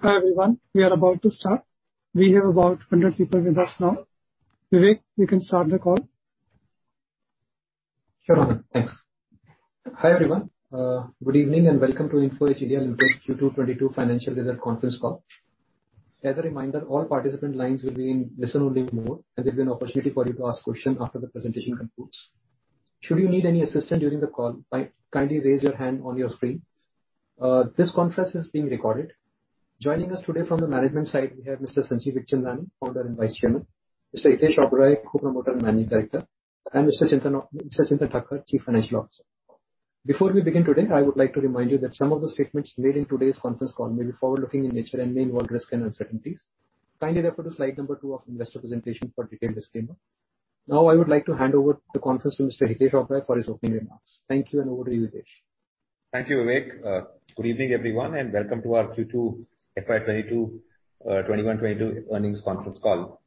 Hi, everyone. We are about to start. We have about 100 people with us now. Vivek, we can start the call. Sure, thanks. Hi, everyone. Good evening and welcome to Info Edge (India) Limited Q2 FY 2022 financial results conference call. As a reminder, all participant lines will be in listen-only mode, and there'll be an opportunity for you to ask questions after the presentation concludes. Should you need any assistance during the call, kindly raise your hand on your screen. This conference is being recorded. Joining us today from the management side, we have Mr. Sanjeev Bikhchandani, Founder and Vice Chairman. Mr. Hitesh Oberoi, Co-Promoter and Managing Director, and Mr. Chintan Thakkar, Chief Financial Officer. Before we begin today, I would like to remind you that some of the statements made in today's conference call may be forward-looking in nature and may involve risk and uncertainties. Kindly refer to slide number two of investor presentation for detailed disclaimer. Now, I would like to hand over the conference to Mr. Hitesh Oberoi for his opening remarks. Thank you, and over to you, Hitesh. Thank you, Vivek. Good evening, everyone, and welcome to our Q2 FY 2022 earnings conference call.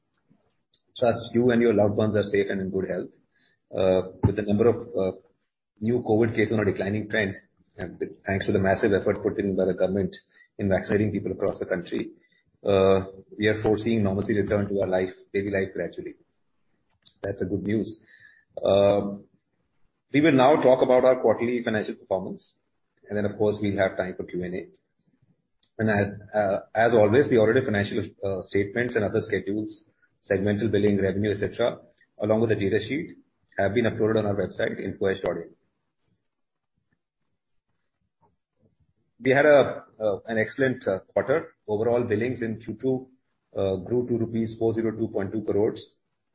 Trust you and your loved ones are safe and in good health. With the number of new COVID cases on a declining trend, thanks to the massive effort put in by the government in vaccinating people across the country, we are foreseeing normalcy return to our daily life gradually. That's good news. We will now talk about our quarterly financial performance and then, of course, we'll have time for Q&A. As always, the audited financial statements and other schedules, segmental billing revenue, et cetera, along with the data sheet, have been uploaded on our website, infoedge.in. We had an excellent quarter. Overall billings in Q2 grew to rupees 402.2 crore,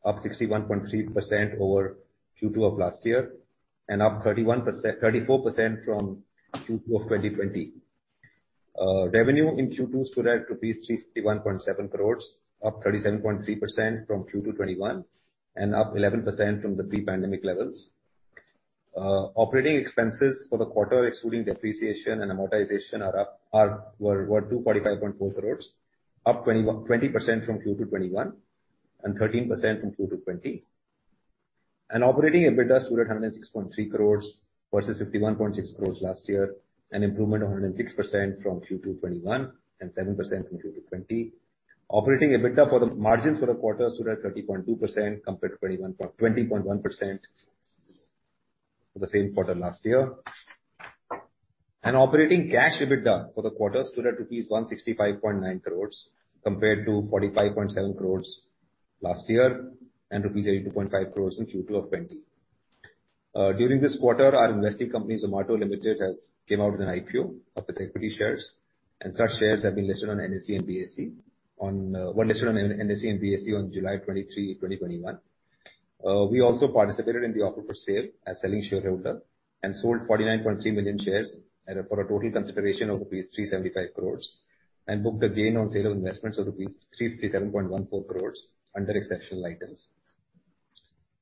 up 61.3% over Q2 of last year and up 34% from Q2 of 2020. Revenue in Q2 stood at 351.7 crore, up 37.3% from Q2 2021, and up 11% from the pre-pandemic levels. Operating expenses for the quarter excluding depreciation and amortization were 245.4 crore, up 20% from Q2 2021, and 13% from Q2 2020. Operating EBITDA stood at 106.3 crore versus 51.6 crore last year, an improvement of 106% from Q2 2021 and 7% from Q2 2020. Operating EBITDA for the margins for the quarter stood at 30.2% compared to 21%. 20.1% for the same quarter last year. Operating cash EBITDA for the quarter stood at rupees 165.9 crores compared to 45.7 crores last year and rupees 82.5 crores in Q2 of 2020. During this quarter, our investee company, Zomato Limited, has come out with an IPO of its equity shares, and such shares were listed on NSE and BSE on July 23, 2021. We also participated in the offer for sale as selling shareholder and sold 49.3 million shares for a total consideration of rupees 375 crores and booked a gain on sale of investments of rupees 357.14 crores under exceptional items.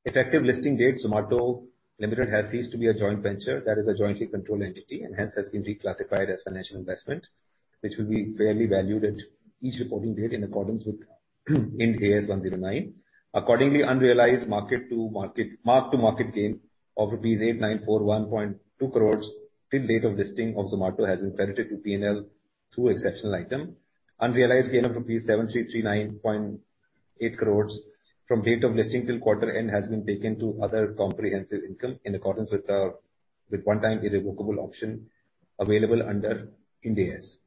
Effective listing date, Zomato Limited has ceased to be a joint venture that is a jointly controlled entity and hence has been reclassified as financial investment, which will be fairly valued at each reporting date in accordance with Ind AS 109. Accordingly, unrealized mark-to-market gain of rupees 8941.2 crores till date of listing of Zomato has been credited to P&L through exceptional item. Unrealized gain of rupees 7339.8 crores from date of listing till quarter end has been taken to other comprehensive income in accordance with one-time irrevocable option available under Ind AS.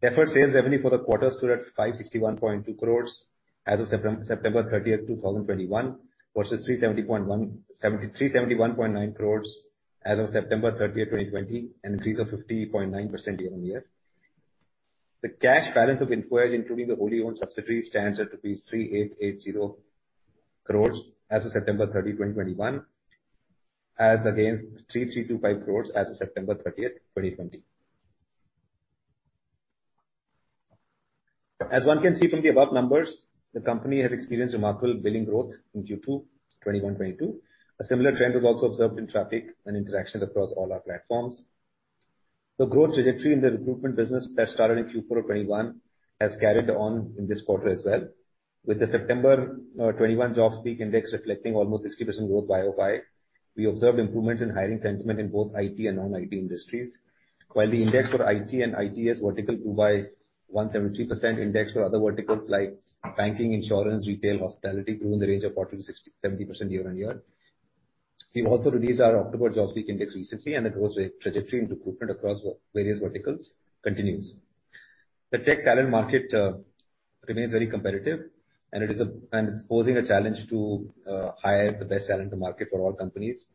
Therefore, sales revenue for the quarter stood at 561.2 crores as of September 30th, 2021 versus 370.17 crores. 371.9 crores as of September 30th, 2020, an increase of 50.9% year-on-year. The cash balance of Info Edge including the wholly owned subsidiaries stands at rupees 3,880 crores as of September 30, 2021, as against 3,325 crores as of September 30, 2020. One can see from the above numbers, the company has experienced remarkable billing growth in Q2 2021/2022. A similar trend was also observed in traffic and interactions across all our platforms. The growth trajectory in the recruitment business that started in Q4 of 2021 has carried on in this quarter as well. With the September 2021 Naukri JobSpeak Index reflecting almost 60% growth YoY, we observed improvements in hiring sentiment in both IT and non-IT industries. While the index for IT and ITES vertical grew by 173%, index for other verticals like banking, insurance, retail, hospitality grew in the range of 40%-70% year-on-year. We also released our October JobSpeak Index recently, and the growth trajectory in recruitment across various verticals continues. The tech talent market remains very competitive, and it's posing a challenge to hire the best talent in the market for all companies.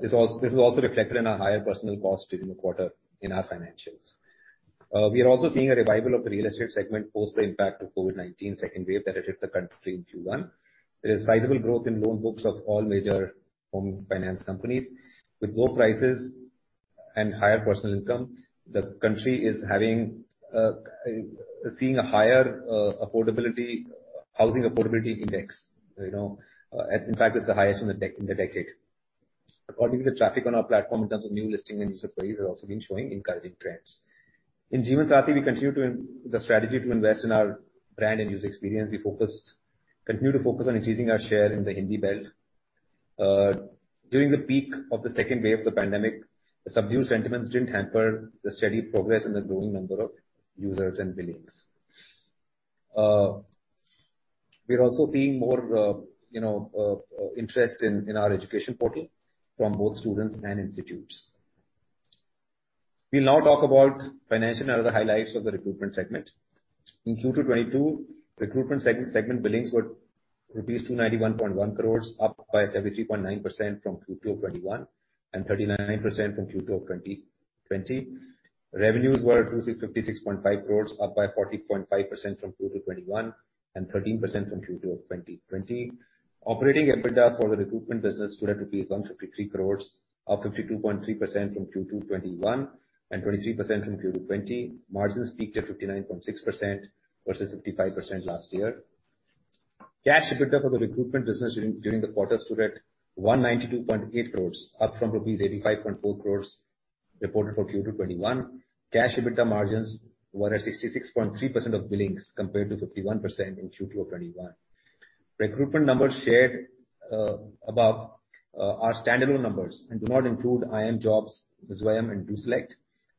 This is also reflected in our higher personnel cost during the quarter in our financials. We are also seeing a revival of the real estate segment post the impact of COVID-19 second wave that hit the country in Q1. There is sizable growth in loan books of all major home finance companies. With low prices and higher personal income, the country is seeing a higher housing affordability index. You know, in fact it's the highest in the decade. Accordingly, the traffic on our platform in terms of new listings and user queries has also been showing encouraging trends. In Jeevansathi, we continue to invest in our brand and user experience. We continue to focus on increasing our share in the Hindi belt. During the peak of the second wave of the pandemic, the subdued sentiments didn't hamper the steady progress in the growing number of users and billings. We are also seeing more, you know, interest in our education portal from both students and institutes. We'll now talk about financial and other highlights of the recruitment segment. In Q2 2022, recruitment segment billings were rupees 291.1 crores, up by 73.9% from Q2 of 2021, and 39% from Q2 of 2020. Revenues were 56.5 crores, up by 40.5% from Q2 2021, and 13% from Q2 of 2020. Operating EBITDA for the recruitment business stood at 153 crores rupees, up 52.3% from Q2 2021, and 23% from Q2 2020. Margins peaked at 59.6% versus 55% last year. Cash EBITDA for the recruitment business during the quarter stood at 192.8 crores, up from rupees 85.4 crores reported for Q2 2021. Cash EBITDA margins were at 66.3% of billings compared to 51% in Q2 of 2021. Recruitment numbers shared above are standalone numbers and do not include iimjobs, Zwayam, and DoSelect.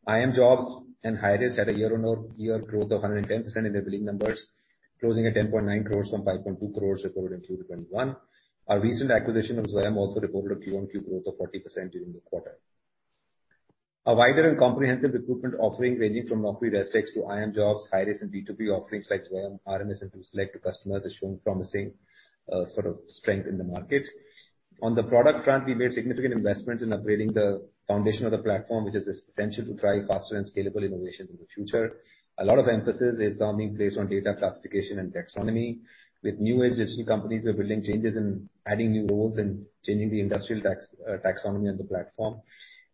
iimjobs and Hirist had a year-over-year growth of 110% in their billing numbers, closing at 10.9 crores from 5.2 crores reported in Q2 FY 2021. Our recent acquisition of Zwayam also reported a quarter-over-quarter growth of 40% during the quarter. A wider and comprehensive recruitment offering ranging from Naukri Resdex to iimjobs, Hirist, and B2B offerings like Zwayam, RMS, and DoSelect to customers has shown promising sort of strength in the market. On the product front, we made significant investments in upgrading the foundation of the platform, which is essential to drive faster and scalable innovations in the future. A lot of emphasis is now being placed on data classification and taxonomy, with new age industry companies building changes and adding new roles and changing the industry taxonomy on the platform.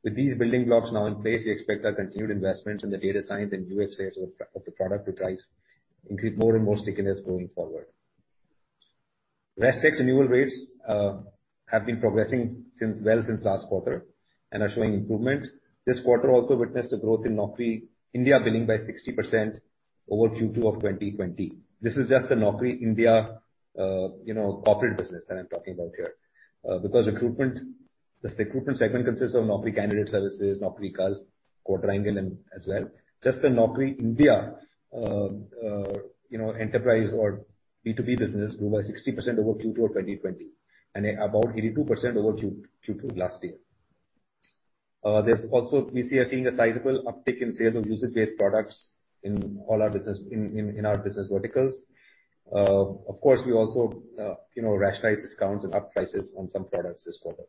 With these building blocks now in place, we expect our continued investments in the data science and UI/UX layers of the product to increase more and more stickiness going forward. Resdex renewal rates have been progressing since last quarter and are showing improvement. This quarter also witnessed a growth in Naukri India billing by 60% over Q2 of 2020. This is just the Naukri India, you know, corporate business that I'm talking about here. Because recruitment, just the recruitment segment consists of Naukri Candidate Services, Naukri Gulf, Quadrangle and as well. The Naukri India enterprise or B2B business grew by 60% over Q2 of 2020, and at about 82% over Q2 last year. There's also, we are seeing a sizable uptick in sales of usage-based products in all our business in our business verticals. Of course, we also you know, rationalized discounts and upped prices on some products this quarter.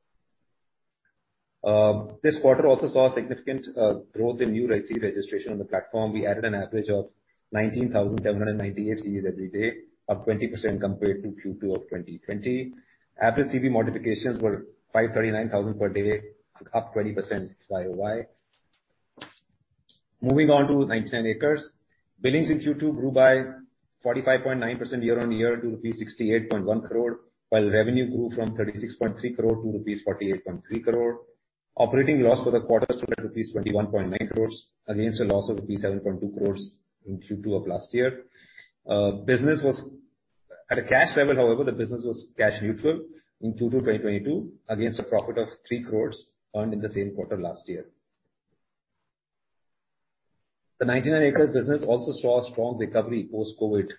This quarter also saw significant growth in new resume registration on the platform. We added an average of 19,798 CVs every day, up 20% compared to Q2 of 2020. Average CV modifications were 539,000 per day, up 20% YoY. Moving on to 99acres. Billings in Q2 grew by 45.9% year-on-year to rupees 68.1 crores, while revenue grew from 36.3 crores to rupees 48.3 crores. Operating loss for the quarter stood at rupees 21.9 crores against a loss of rupees 7.2 crores in Q2 of last year. At a cash level, however, the business was cash neutral in Q2 2022 against a profit of 3 crores earned in the same quarter last year. The 99acres business also saw a strong recovery post-COVID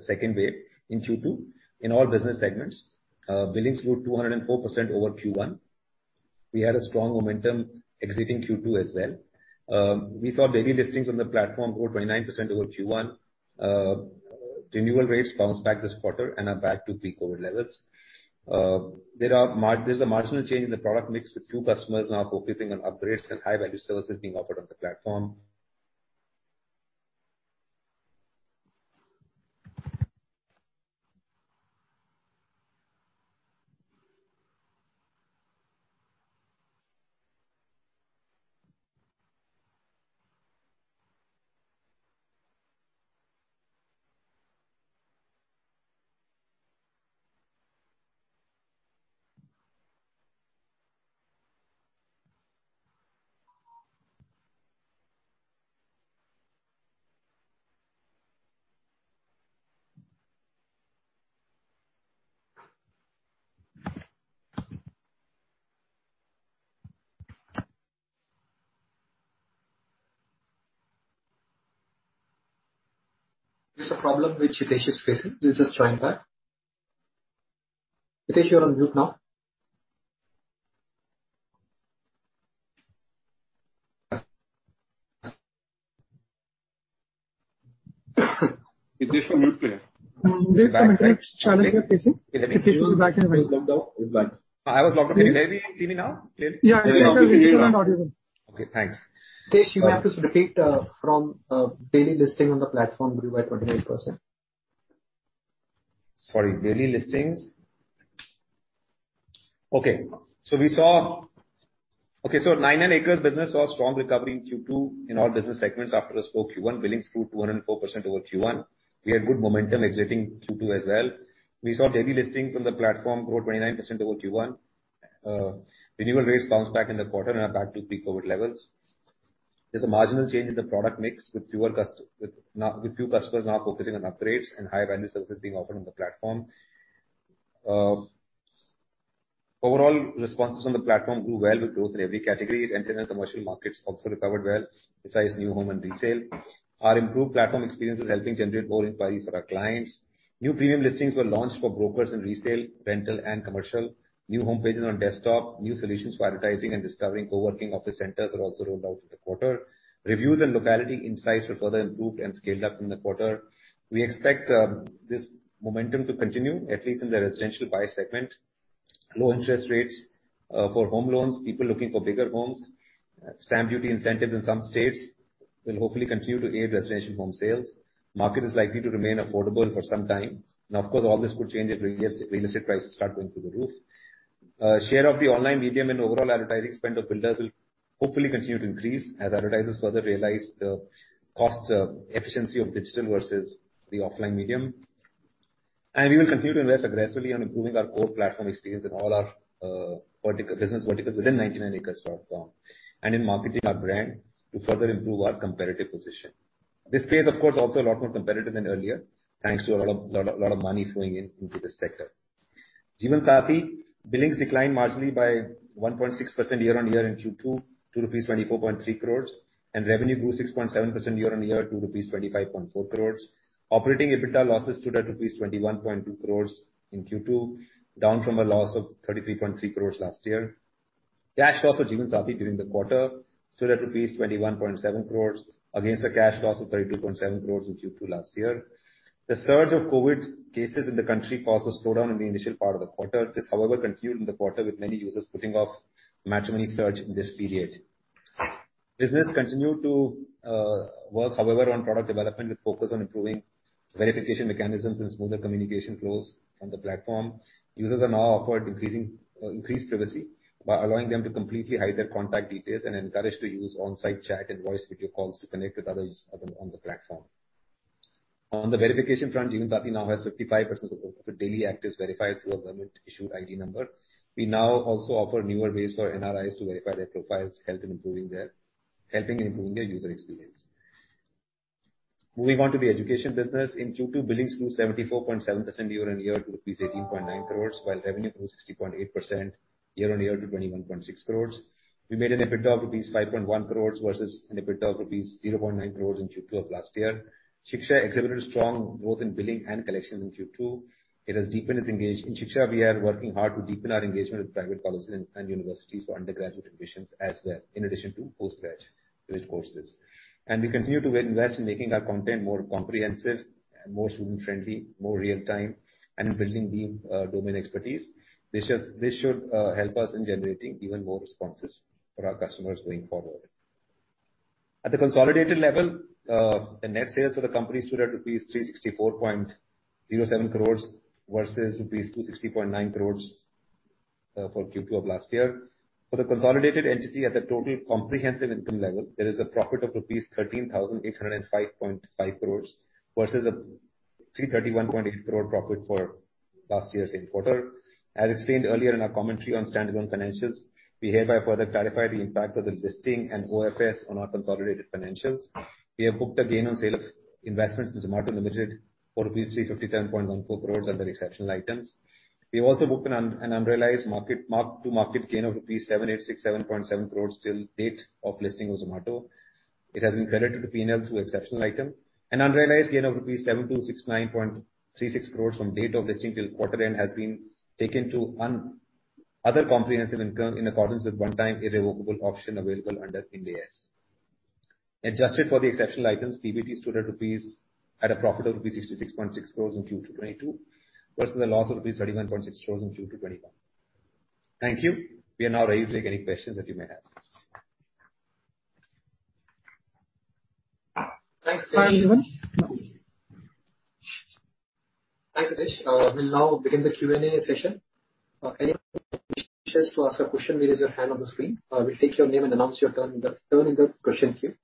second wave in Q2 in all business segments. Billings grew 204% over Q1. We had a strong momentum exiting Q2 as well. We saw daily listings on the platform grow 29% over Q1. Renewal rates bounced back this quarter and are back to pre-COVID levels. There's a marginal change in the product mix, with few customers now focusing on upgrades and high-value services being offered on the platform. There's a problem which Hitesh is facing. He'll just join back. Hitesh, you're on mute now. Hitesh, you're on mute still. There's some internet challenge we are facing. Hitesh will be back in a while. Hitesh is back now. He's back. I was logged out. Can you hear me now clearly? Yeah. Hitesh, we can hear you loud and clear. Okay, thanks. Hitesh, you have to repeat from daily listing on the platform grew by 29%. 99acres business saw strong recovery in Q2 in all business segments after a slow Q1. Billings grew 204% over Q1. We had good momentum exiting Q2 as well. We saw daily listings on the platform grow 29% over Q1. Renewal rates bounced back in the quarter and are back to pre-COVID levels. There's a marginal change in the product mix with few customers now focusing on upgrades and higher value services being offered on the platform. Overall responses on the platform grew well with growth in every category. Rental and commercial markets also recovered well, besides new home and resale. Our improved platform experience is helping generate more inquiries for our clients. New premium listings were launched for brokers in resale, rental, and commercial. New home pages on desktop, new solutions for advertising and discovering co-working office centers are also rolled out in the quarter. Reviews and locality insights were further improved and scaled up in the quarter. We expect this momentum to continue, at least in the residential buy segment. Low interest rates for home loans, people looking for bigger homes, stamp duty incentives in some states will hopefully continue to aid residential home sales. Market is likely to remain affordable for some time. Now, of course, all this could change if real estate prices start going through the roof. Share of the online medium and overall advertising spend of builders will hopefully continue to increase as advertisers further realize the cost efficiency of digital versus the offline medium. We will continue to invest aggressively on improving our core platform experience in all our business verticals within 99acres.com and in marketing our brand to further improve our competitive position. This space, of course, also a lot more competitive than earlier, thanks to a lot of money flowing into this sector. Jeevansathi billings declined marginally by 1.6% year-on-year in Q2 to rupees 24.3 crores, and revenue grew 6.7% year-on-year to rupees 25.4 crores. Operating EBITDA losses stood at rupees 21.2 crores in Q2, down from a loss of 33.3 crores last year. Cash flow for Jeevansathi during the quarter stood at rupees 21.7 crores against a cash loss of 32.7 crores in Q2 last year. The surge of COVID cases in the country caused a slowdown in the initial part of the quarter. This, however, continued in the quarter, with many users putting off matrimony search in this period. Business continued to work, however, on product development with focus on improving verification mechanisms and smoother communication flows from the platform. Users are now offered increased privacy by allowing them to completely hide their contact details and encouraged to use on-site chat and voice video calls to connect with others on the platform. On the verification front, Jeevansathi now has 55% of the daily actives verified through a government-issued ID number. We now also offer newer ways for NRIs to verify their profiles, helping in improving their user experience. Moving on to the education business. In Q2, billings grew 74.7% year-on-year to rupees 18.9 crores, while revenue grew 60.8% year-on-year to 21.6 crores. We made an EBITDA of rupees 5.1 crores versus an EBITDA of rupees 0.9 crores in Q2 of last year. Shiksha exhibited strong growth in billing and collections in Q2. It has deepened its engagement. In Shiksha, we are working hard to deepen our engagement with private colleges and universities for undergraduate admissions as well, in addition to postgrad courses. We continue to invest in making our content more comprehensive, more student-friendly, more real-time, and in building the domain expertise. This should help us in generating even more responses for our customers going forward. At the consolidated level, the net sales for the company stood at rupees 364.07 crores versus rupees 260.9 crores for Q2 of last year. For the consolidated entity at the total comprehensive income level, there is a profit of rupees 13,805.5 crores versus a 331.8 crores profit for last year's same quarter. As explained earlier in our commentary on standalone financials, we hereby further clarify the impact of the listing and OFS on our consolidated financials. We have booked a gain on sale of investments in Zomato Limited for rupees 357.14 crores under exceptional items. We have also booked an unrealized mark-to-market gain of rupees 7,867.7 crores till date of listing of Zomato. It has been credited to P&L through exceptional item. An unrealized gain of rupees 7,269.36 croress from date of listing till quarter end has been taken to other comprehensive income in accordance with one-time irrevocable option available under Ind AS. Adjusted for the exceptional items, PBT stood at a profit of rupees 66.6 crores in Q2 2022 versus a loss of rupees 31.6 crores in Q2 2021. Thank you. We are now ready to take any questions that you may have. Thanks, Hitesh. Hi, everyone. Thanks, Hitesh. We'll now begin the Q&A session. Anyone wishes to ask a question, raise your hand on the screen. We'll take your name and announce your turn in the question queue.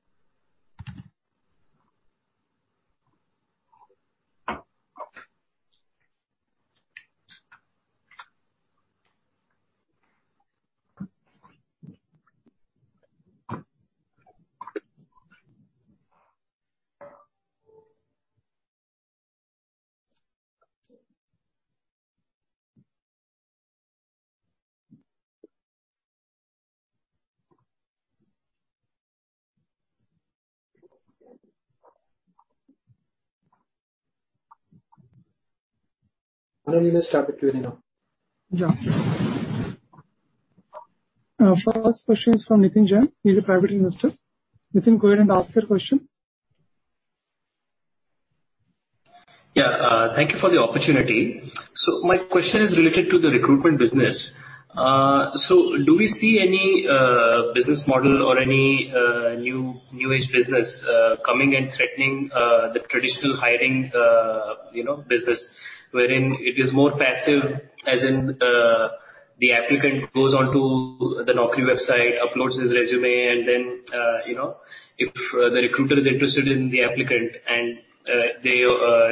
Anand, you may start the Q&A now. Yeah. First question is from Nitin Jain. He's a private investor. Nitin, go ahead and ask your question. Yeah. Thank you for the opportunity. My question is related to the recruitment business. Do we see any business model or any new-age business coming and threatening the traditional hiring, you know, business, wherein it is more passive, as in, the applicant goes onto the Naukri website, uploads his resume, and then, you know, if the recruiter is interested in the applicant and they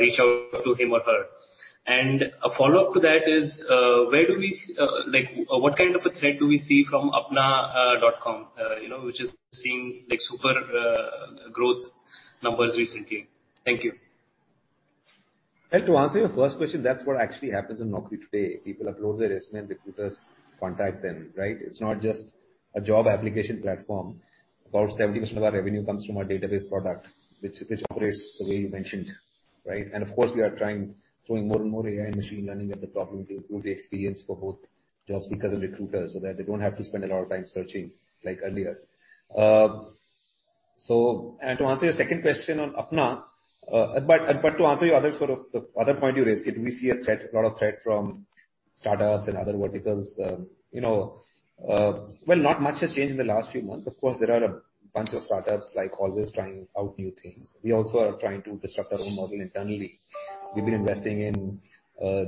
reach out to him or her? A follow-up to that is, like, what kind of a threat do we see from apna.com? You know, which is seeing, like, super growth numbers recently. Thank you. To answer your first question, that's what actually happens in Naukri today. People upload their resume, recruiters contact them, right? It's not just a job application platform. About 70% of our revenue comes from our database product, which operates the way you mentioned, right? Of course, we are throwing more and more AI and machine learning at the problem to improve the experience for both job seekers and recruiters so that they don't have to spend a lot of time searching like earlier. To answer your second question on Apna. To answer your other point you raised, do we see a lot of threat from startups and other verticals? You know, well, not much has changed in the last few months. Of course, there are a bunch of startups like always trying out new things. We also are trying to disrupt our own model internally. We've been investing in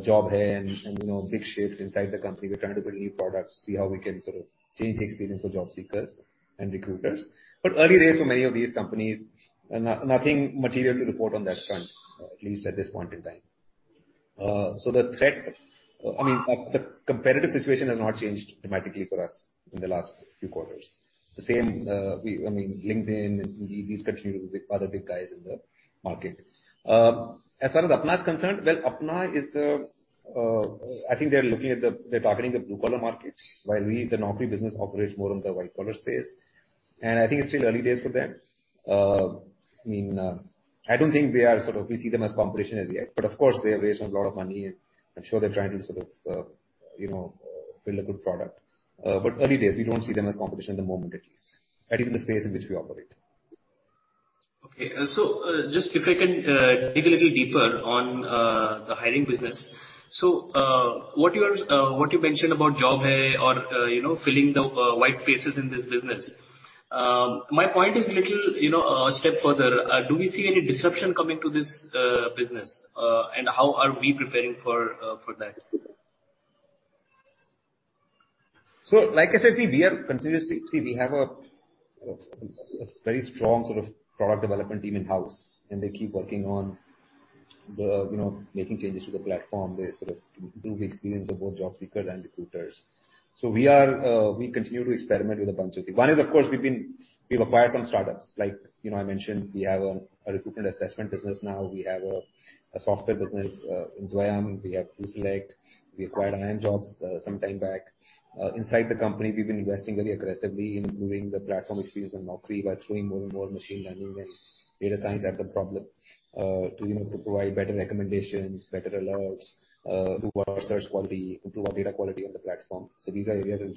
Job Hai and, you know, BigShyft inside the company. We're trying to build new products to see how we can sort of change the experience for job seekers and recruiters. Early days for many of these companies, and nothing material to report on that front, at least at this point in time. The threat, I mean, the competitive situation has not changed dramatically for us in the last few quarters. The same, I mean, LinkedIn and Google, these continue to be other big guys in the market. As far as Apna is concerned, well, Apna is, I think they're targeting the blue-collar markets, while we, the Naukri business operates more on the white-collar space. I think it's still early days for them. I mean, I don't think we are sort of, we see them as competition as yet, but of course, they have raised a lot of money, and I'm sure they're trying to sort of, you know, build a good product. Early days, we don't see them as competition at the moment, at least in the space in which we operate. Okay. Just if I can dig a little deeper on the hiring business. What you mentioned about JobHai or, you know, filling the white spaces in this business. My point is a little, you know, a step further. Do we see any disruption coming to this business? How are we preparing for that? Like I said, we are continuously, we have a very strong product development team in-house, and they keep working on, you know, making changes to the platform. They sort of improve the experience of both job seekers and recruiters. We continue to experiment with a bunch of things. One is, of course, we've acquired some startups. Like, you know, I mentioned we have a recruitment assessment business now. We have a software business, Zwayam. We have DoSelect. We acquired iimjobs some time back. Inside the company, we've been investing very aggressively in improving the platform experience in Naukri by throwing more and more machine learning and data science at the problem, you know, to provide better recommendations, better alerts, improve our search quality, improve our data quality on the platform. These are areas in which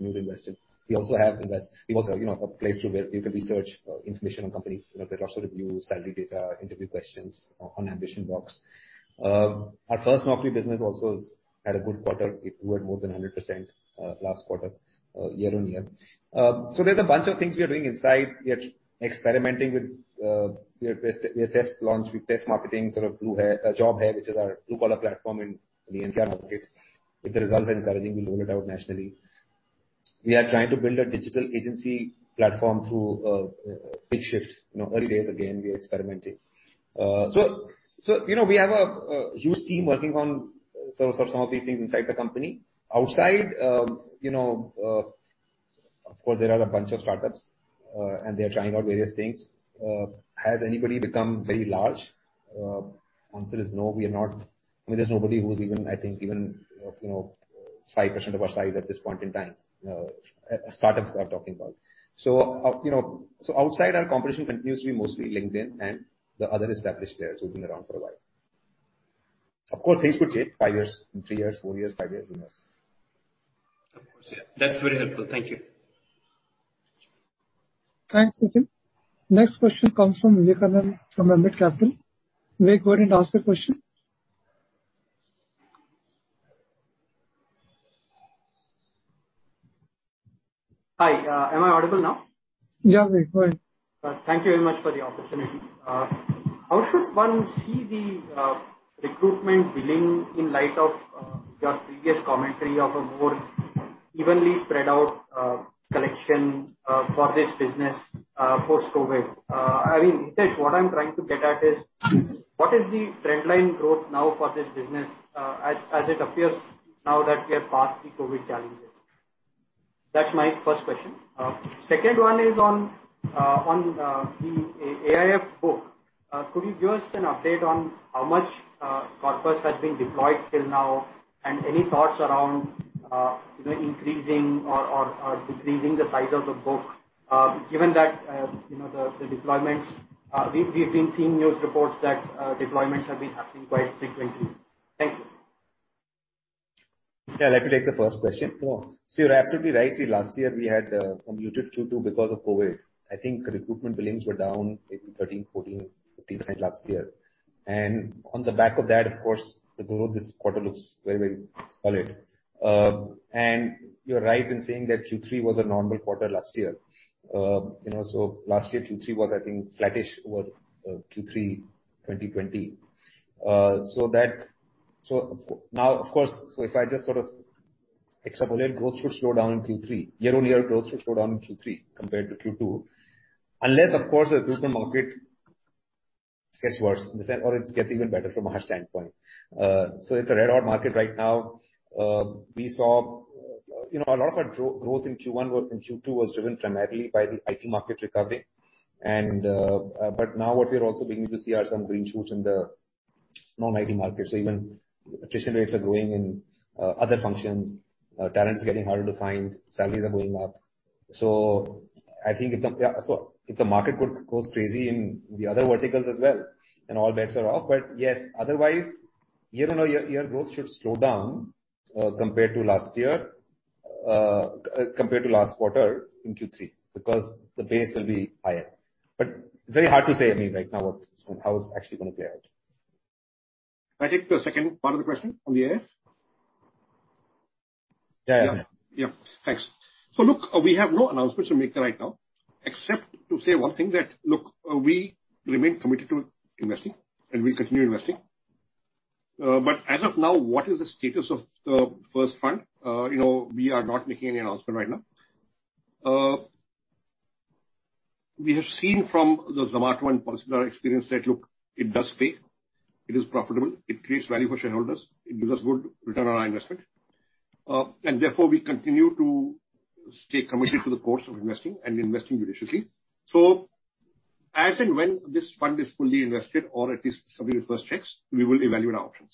we've invested. We also, you know, a place where you can research information on companies. You know, there are lots of reviews, salary data, interview questions on AmbitionBox. Our First Naukri business also had a good quarter. It grew at more than 100%, last quarter, year-over-year. There's a bunch of things we are doing inside. We are experimenting with, we are test launch. We test marketing sort of Job Hai, which is our blue-collar platform in the NCR market. If the results are encouraging, we'll roll it out nationally. We are trying to build a digital agency platform through BigShyft. You know, early days, again, we are experimenting. So, you know, we have a huge team working on sort of some of these things inside the company. Outside, you know, of course, there are a bunch of startups, and they are trying out various things. Has anybody become very large? Answer is no. I mean, there's nobody who's even, I think, even 5% of our size at this point in time, startups I'm talking about. You know, so outside our competition continues to be mostly LinkedIn and the other established players who've been around for a while. Of course, things could change five years, three years, four years, five years, who knows? Of course, yeah. That's very helpful. Thank you. Thanks, Nitin. Next question comes from Vikram, from Ambit Capital. Vivekanand, go ahead and ask the question. Hi, am I audible now? Yeah, Vikram. Go ahead. Thank you very much for the opportunity. How should one see the recruitment billing in light of your previous commentary of a more evenly spread out collection for this business post-COVID? I mean, Hitesh, what I'm trying to get at is what is the trendline growth now for this business as it appears now that we are past the COVID challenges? That's my first question. Second one is on the AIF book. Could you give us an update on how much corpus has been deployed till now? And any thoughts around, you know, increasing or decreasing the size of the book? Given that, you know, the deployments we've been seeing news reports that deployments have been happening quite frequently. Thank you. Yeah, let me take the first question. You're absolutely right. See, last year we had a muted Q2 because of COVID. I think recruitment billings were down maybe 13%-15% last year. On the back of that, of course, the growth this quarter looks very, very solid. You're right in saying that Q3 was a normal quarter last year. You know, last year, Q3 was, I think, flattish over Q3 2020. If I just sort of extrapolate, growth should slow down in Q3. Year-on-year growth should slow down in Q3 compared to Q2, unless of course the recruitment market gets worse in the sense or it gets even better from our standpoint. It's a red-hot market right now. We saw, you know, a lot of our growth in Q2 was driven primarily by the IT market recovery. Now what we are also beginning to see are some green shoots in the non-IT markets. Even attrition rates are growing in other functions, talents are getting harder to find, salaries are going up. I think if the market goes crazy in the other verticals as well, then all bets are off. Yes, otherwise year-on-year growth should slow down compared to last year, compared to last quarter in Q3, because the base will be higher. It's very hard to say, I mean, right now what's how it's actually gonna play out. I think the second part of the question on the AIF? Yeah, yeah. Yeah. Thanks. Look, we have no announcements to make right now except to say one thing that, look, we remain committed to investing and we continue investing. As of now, what is the status of the first fund? You know, we are not making any announcement right now. We have seen from the Zomato and PolicyBazaar experience that look, it does pay, it is profitable, it creates value for shareholders, it gives us good return on our investment. Therefore, we continue to stay committed to the course of investing and investing judiciously. As and when this fund is fully invested or at least some of the first checks, we will evaluate our options.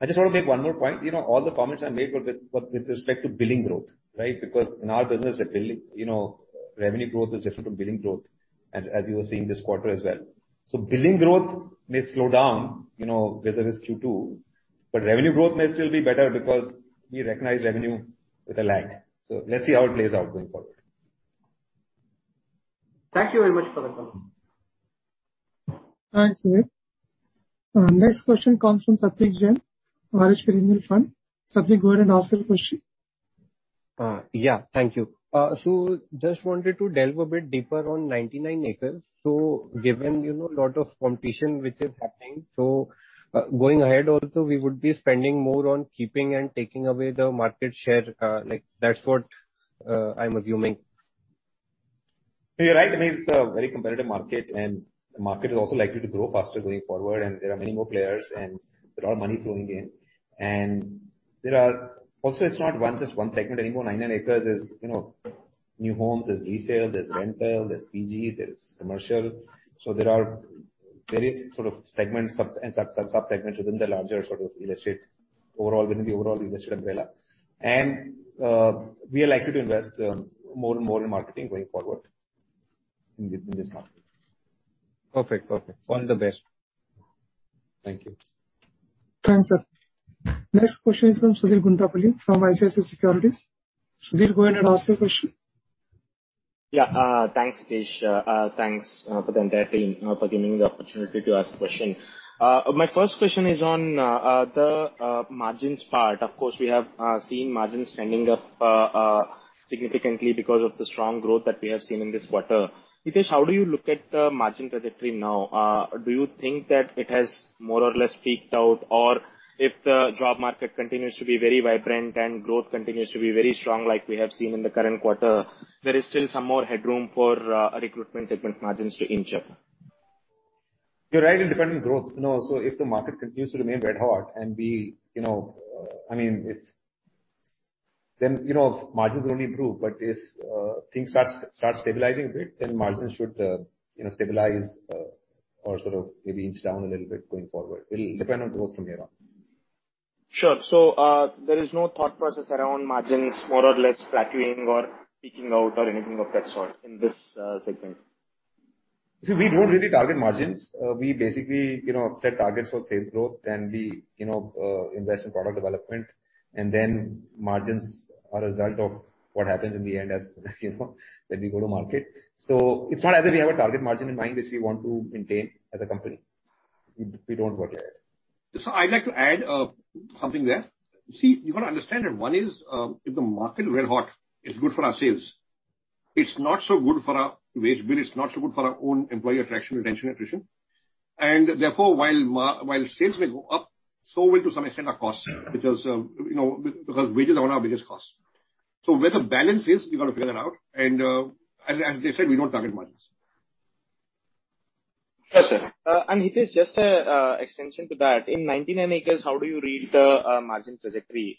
I just wanna make one more point. You know, all the comments I made were with respect to billing growth, right? Because in our business the billing, you know, revenue growth is different from billing growth as you were seeing this quarter as well. Billing growth may slow down, you know, vis-a-vis Q2, but revenue growth may still be better because we recognize revenue with a lag. Let's see how it plays out going forward. Thank you very much for the color. Thanks. Next question comes from Swapnil Potduke of Kotak Mutual Fund. Swapnil, go ahead and ask your question. Yeah. Thank you. Just wanted to delve a bit deeper on 99acres. Given, you know, lot of competition which is happening, going ahead also we would be spending more on keeping and taking away the market share, like that's what I'm assuming. You're right. I mean, it's a very competitive market and the market is also likely to grow faster going forward and there are many more players and there are money flowing in. There are also. It's not one, just one segment anymore. 99acres is, you know, new homes, there's resale, there's rental, there's PG, there's commercial. So there are various sort of sub-segments and sub-sub-segments within the larger sort of real estate overall, within the overall real estate umbrella. We are likely to invest more and more in marketing going forward in this market. Perfect. Perfect. All the best. Thank you. Thanks, Swapnil. Next question is from Sudheer Guntupalli from ICICI Securities. Sudheer, go ahead and ask your question. Yeah. Thanks, Hitesh, thanks for the entire team for giving me the opportunity to ask the question. My first question is on the margins part. Of course, we have seen margins trending up significantly because of the strong growth that we have seen in this quarter. Hitesh, how do you look at the margin trajectory now? Do you think that it has more or less peaked out? Or if the job market continues to be very vibrant and growth continues to be very strong like we have seen in the current quarter, there is still some more headroom for recruitment segment margins to inch up? You're right, it depends on growth. You know, so if the market continues to remain red-hot and we, you know, I mean, then, you know, margins will only improve. If things start stabilizing a bit, then margins should, you know, stabilize or sort of maybe inch down a little bit going forward. It'll depend on growth from here on. Sure. There is no thought process around margins more or less fluctuating or peaking out or anything of that sort in this segment? See, we don't really target margins. We basically, you know, set targets for sales growth, then we, you know, invest in product development, and then margins are a result of what happens in the end as you know, when we go to market. It's not as if we have a target margin in mind which we want to maintain as a company. We don't work like that. I'd like to add something there. See, you gotta understand that one is, if the market red-hot, it's good for our sales. It's not so good for our wage bill, it's not so good for our own employee attraction, retention, attrition. Therefore while sales may go up, so will to some extent our costs. Mm-hmm. Because you know wages are one of our biggest costs. Where the balance is, we've got to figure that out and, as Hitesh said, we don't target margins. Yes, sir. And Hitesh, just an extension to that. In 99acres, how do you read the margin trajectory?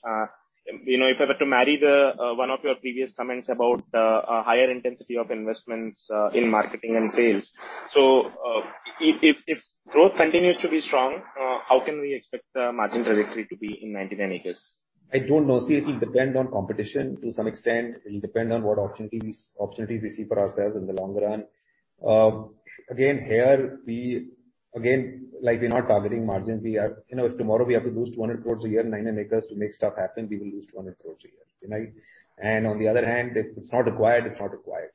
You know, if I were to marry the one of your previous comments about the higher intensity of investments in marketing and sales. If growth continues to be strong, how can we expect the margin trajectory to be in 99acres? I don't know. See, it'll depend on competition to some extent. It'll depend on what opportunities we see for ourselves in the long run. Again, like we're not targeting margins. We are, you know, if tomorrow we have to lose 20 crores a year in 99acres to make stuff happen, we will lose 20 crores a year. You know? And on the other hand, if it's not required, it's not required.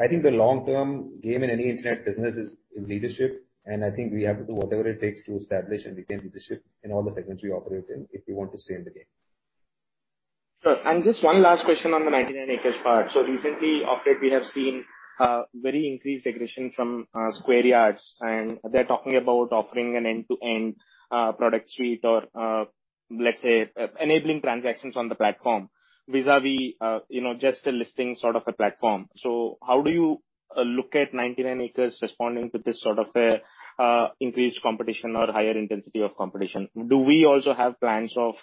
I think the long-term game in any internet business is leadership, and I think we have to do whatever it takes to establish and retain leadership in all the segments we operate in if we want to stay in the game. Sure. Just one last question on the 99acres part. Recently, of late we have seen very increased aggression from Square Yards, and they're talking about offering an end-to-end product suite or, let's say, enabling transactions on the platform vis-à-vis, you know, just a listing sort of a platform. How do you look at 99acres responding to this sort of increased competition or higher intensity of competition? Do we also have plans of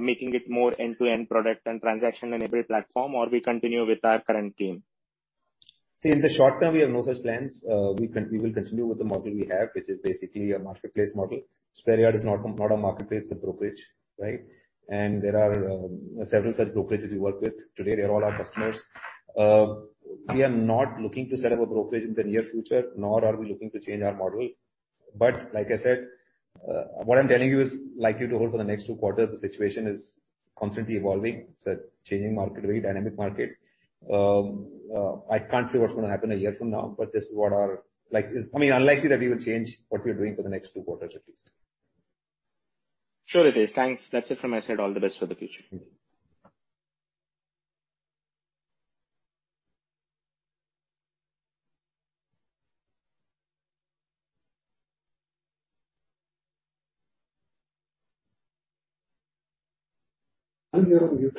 making it more end-to-end product and transaction-enabled platform or we continue with our current team? See, in the short term, we have no such plans. We will continue with the model we have, which is basically a marketplace model. Square Yards is not a marketplace, it's a brokerage, right? There are several such brokerages we work with today. They are all our customers. We are not looking to set up a brokerage in the near future, nor are we looking to change our model. Like I said, what I'm telling you is likely to hold for the next two quarters. The situation is constantly evolving. It's a changing market, very dynamic market. I can't say what's gonna happen a year from now, but this is what, like, I mean, unlikely that we will change what we are doing for the next two quarters at least. Sure it is. Thanks. That's it from my side. All the best for the future. Thank you. Anil, you're on mute.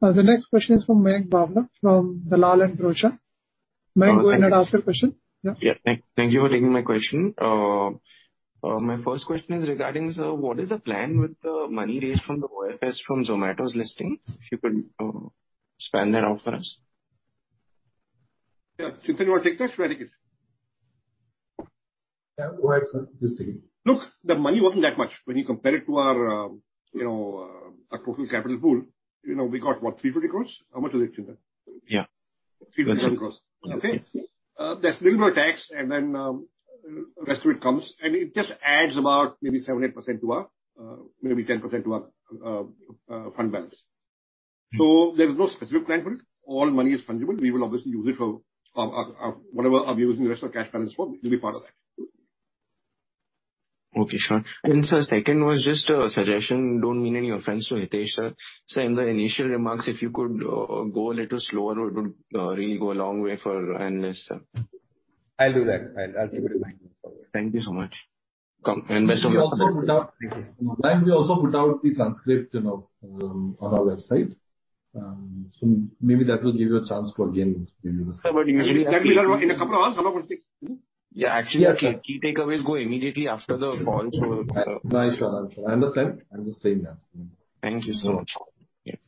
The next question is from Mayank Babla, from Dalal & Broacha. Mayank, go ahead and ask your question. Yeah. Thank you for taking my question. My first question is regarding, sir, what is the plan with the money raised from the OFS from Zomato's listing? If you could expand that out for us. Yeah. Chintan, you wanna take that? Go ahead. Yeah. Why, sir? Just a second. Look, the money wasn't that much when you compare it to our, you know, our total capital pool. You know, we got what, 350 crores? How much was it, Chintan? Yeah. 350 crores. Okay? Okay. There's little more tax, and then rest of it comes. It just adds about maybe 7%-8% to our, maybe 10% to our fund balance. Mm. There's no specific plan for it. All money is fungible. We will obviously use it for our whatever are we using the rest of our cash balance for, it'll be part of that. Okay, sure. Sir, second was just a suggestion. Don't mean any offense to Hitesh, sir. In the initial remarks, if you could go a little slower, it would really go a long way for analysts, sir. I'll do that. I'll keep it in mind going forward. Thank you so much. Best of luck. Thank you. We also put out the transcript, you know, on our website. Maybe that will give you a chance to again review the- In a couple of hours, have a good day. Yeah. Actually- Yes, sir. The key takeaways go immediately after the call, so. No, sure. I'm sure. I understand. I'm just saying that. Thank you so much. Yeah.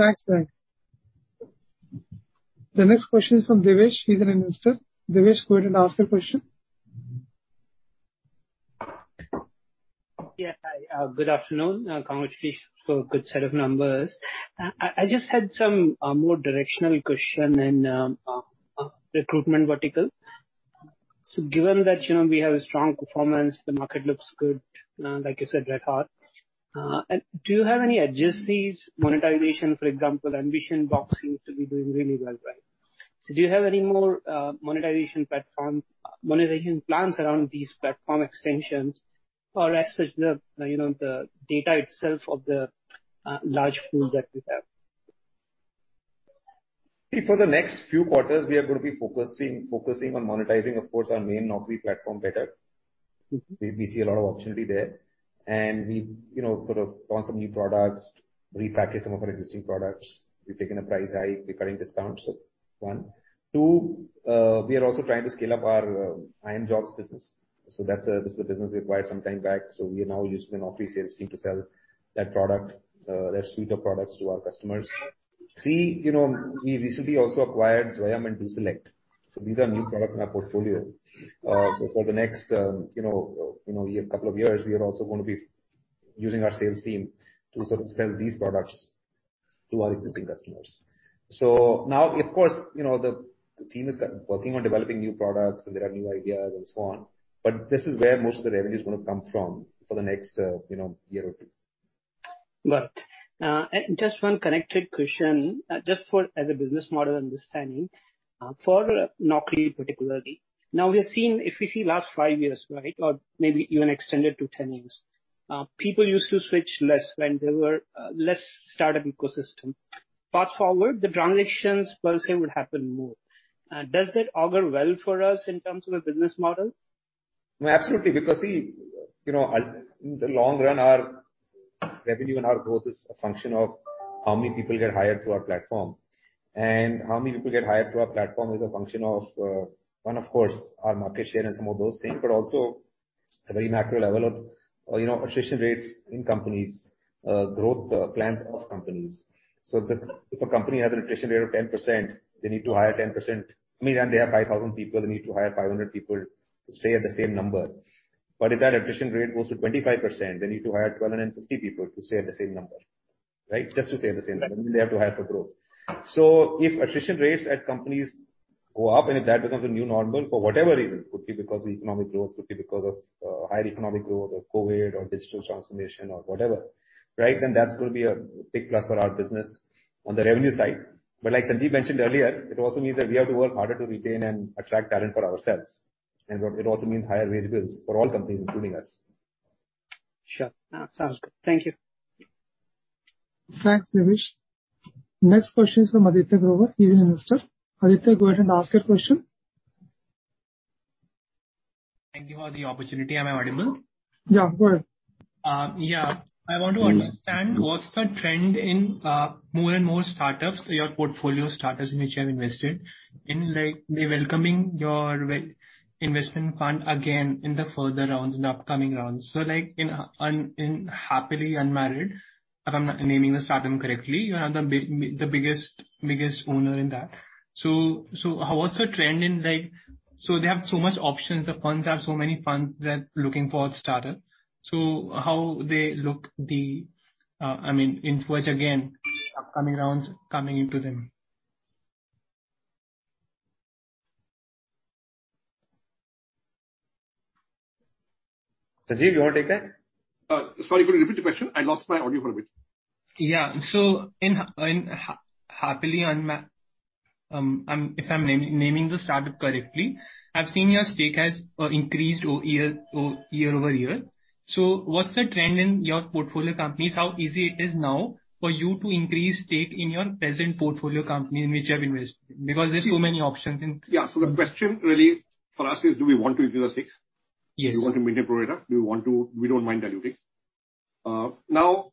Thanks, Mayank. The next question is from Devesh. He's an investor. Devesh, go ahead and ask your question. Yeah. Hi. Good afternoon. Congratulations for good set of numbers. I just had some more directional question in recruitment vertical. Given that, you know, we have a strong performance, the market looks good, like you said, red-hot. Do you have any adjacencies monetization, for example, AmbitionBox seems to be doing really well, right? Do you have any more monetization platform monetization plans around these platform extensions or as such the, you know, the data itself of the large pool that you have? For the next few quarters, we are gonna be focusing on monetizing of course our main Naukri platform better. Mm-hmm. We see a lot of opportunity there and we, you know, sort of launched some new products, repackaged some of our existing products. We've taken a price hike, we're cutting discounts, one. Two, we are also trying to scale up our iimjobs business. This is a business we acquired some time back, so we are now using a Naukri sales team to sell that product, that suite of products to our customers. Three, you know, we recently also acquired Zwayam and DoSelect, so these are new products in our portfolio. For the next year, you know, couple of years, we are also gonna be using our sales team to sort of sell these products to our existing customers. Now, of course, you know, the team is working on developing new products and there are new ideas and so on. This is where most of the revenue is gonna come from for the next, you know, year or two. Got it. Just one connected question, just for as a business model understanding, for Naukri particularly. Now we have seen, if we see last five years, right, or maybe even extended to 10 years, people used to switch less when there were less startup ecosystem. Fast forward, the transactions per se would happen more. Does that augur well for us in terms of a business model? No, absolutely. Because see, you know, in the long run, our revenue and our growth is a function of how many people get hired through our platform. How many people get hired through our platform is a function of one, of course, our market share and some of those things, but also at a very macro level of you know, attrition rates in companies, growth plans of companies. If a company has an attrition rate of 10%, they need to hire 10%. I mean, they have 5,000 people, they need to hire 500 people to stay at the same number. If that attrition rate goes to 25%, they need to hire 1,250 people to stay at the same number, right? Just to stay the same number, I mean, they have to hire for growth. If attrition rates at companies go up, and if that becomes a new normal for whatever reason, could be because of economic growth, could be because of higher economic growth or COVID or digital transformation or whatever, right, that's gonna be a big plus for our business on the revenue side. Like Sanjeev mentioned earlier, it also means that we have to work harder to retain and attract talent for ourselves. It also means higher wage bills for all companies, including us. Sure. Sounds good. Thank you. Thanks, Devesh. Next question is from Aditya Grover. He's an investor. Aditya, go ahead and ask your question. Thank you for the opportunity. Am I audible? Yeah, go ahead. Yeah. I want to understand what's the trend in more and more startups, your portfolio startups in which you have invested, in like being welcoming your investment fund again in the further rounds, in the upcoming rounds. Like in Happily Unmarried, if I'm naming the startup correctly, you have the biggest owner in that. So what's the trend in like. So they have so much options. There are so many funds, they're looking for a startup. So how they look to, I mean, Info Edge again upcoming rounds coming into them. Sanjeev, you wanna take that? Sorry, could you repeat the question? I lost my audio for a bit. In Happily Unmarried, if I'm naming the startup correctly, I've seen your stake has increased year over year. What's the trend in your portfolio companies? How easy it is now for you to increase stake in your present portfolio company in which you have invested? Because there's so many options and- Yeah. The question really for us is, do we want to increase our stakes? Yes. Do we want to maintain pro rata? We don't mind diluting. Now,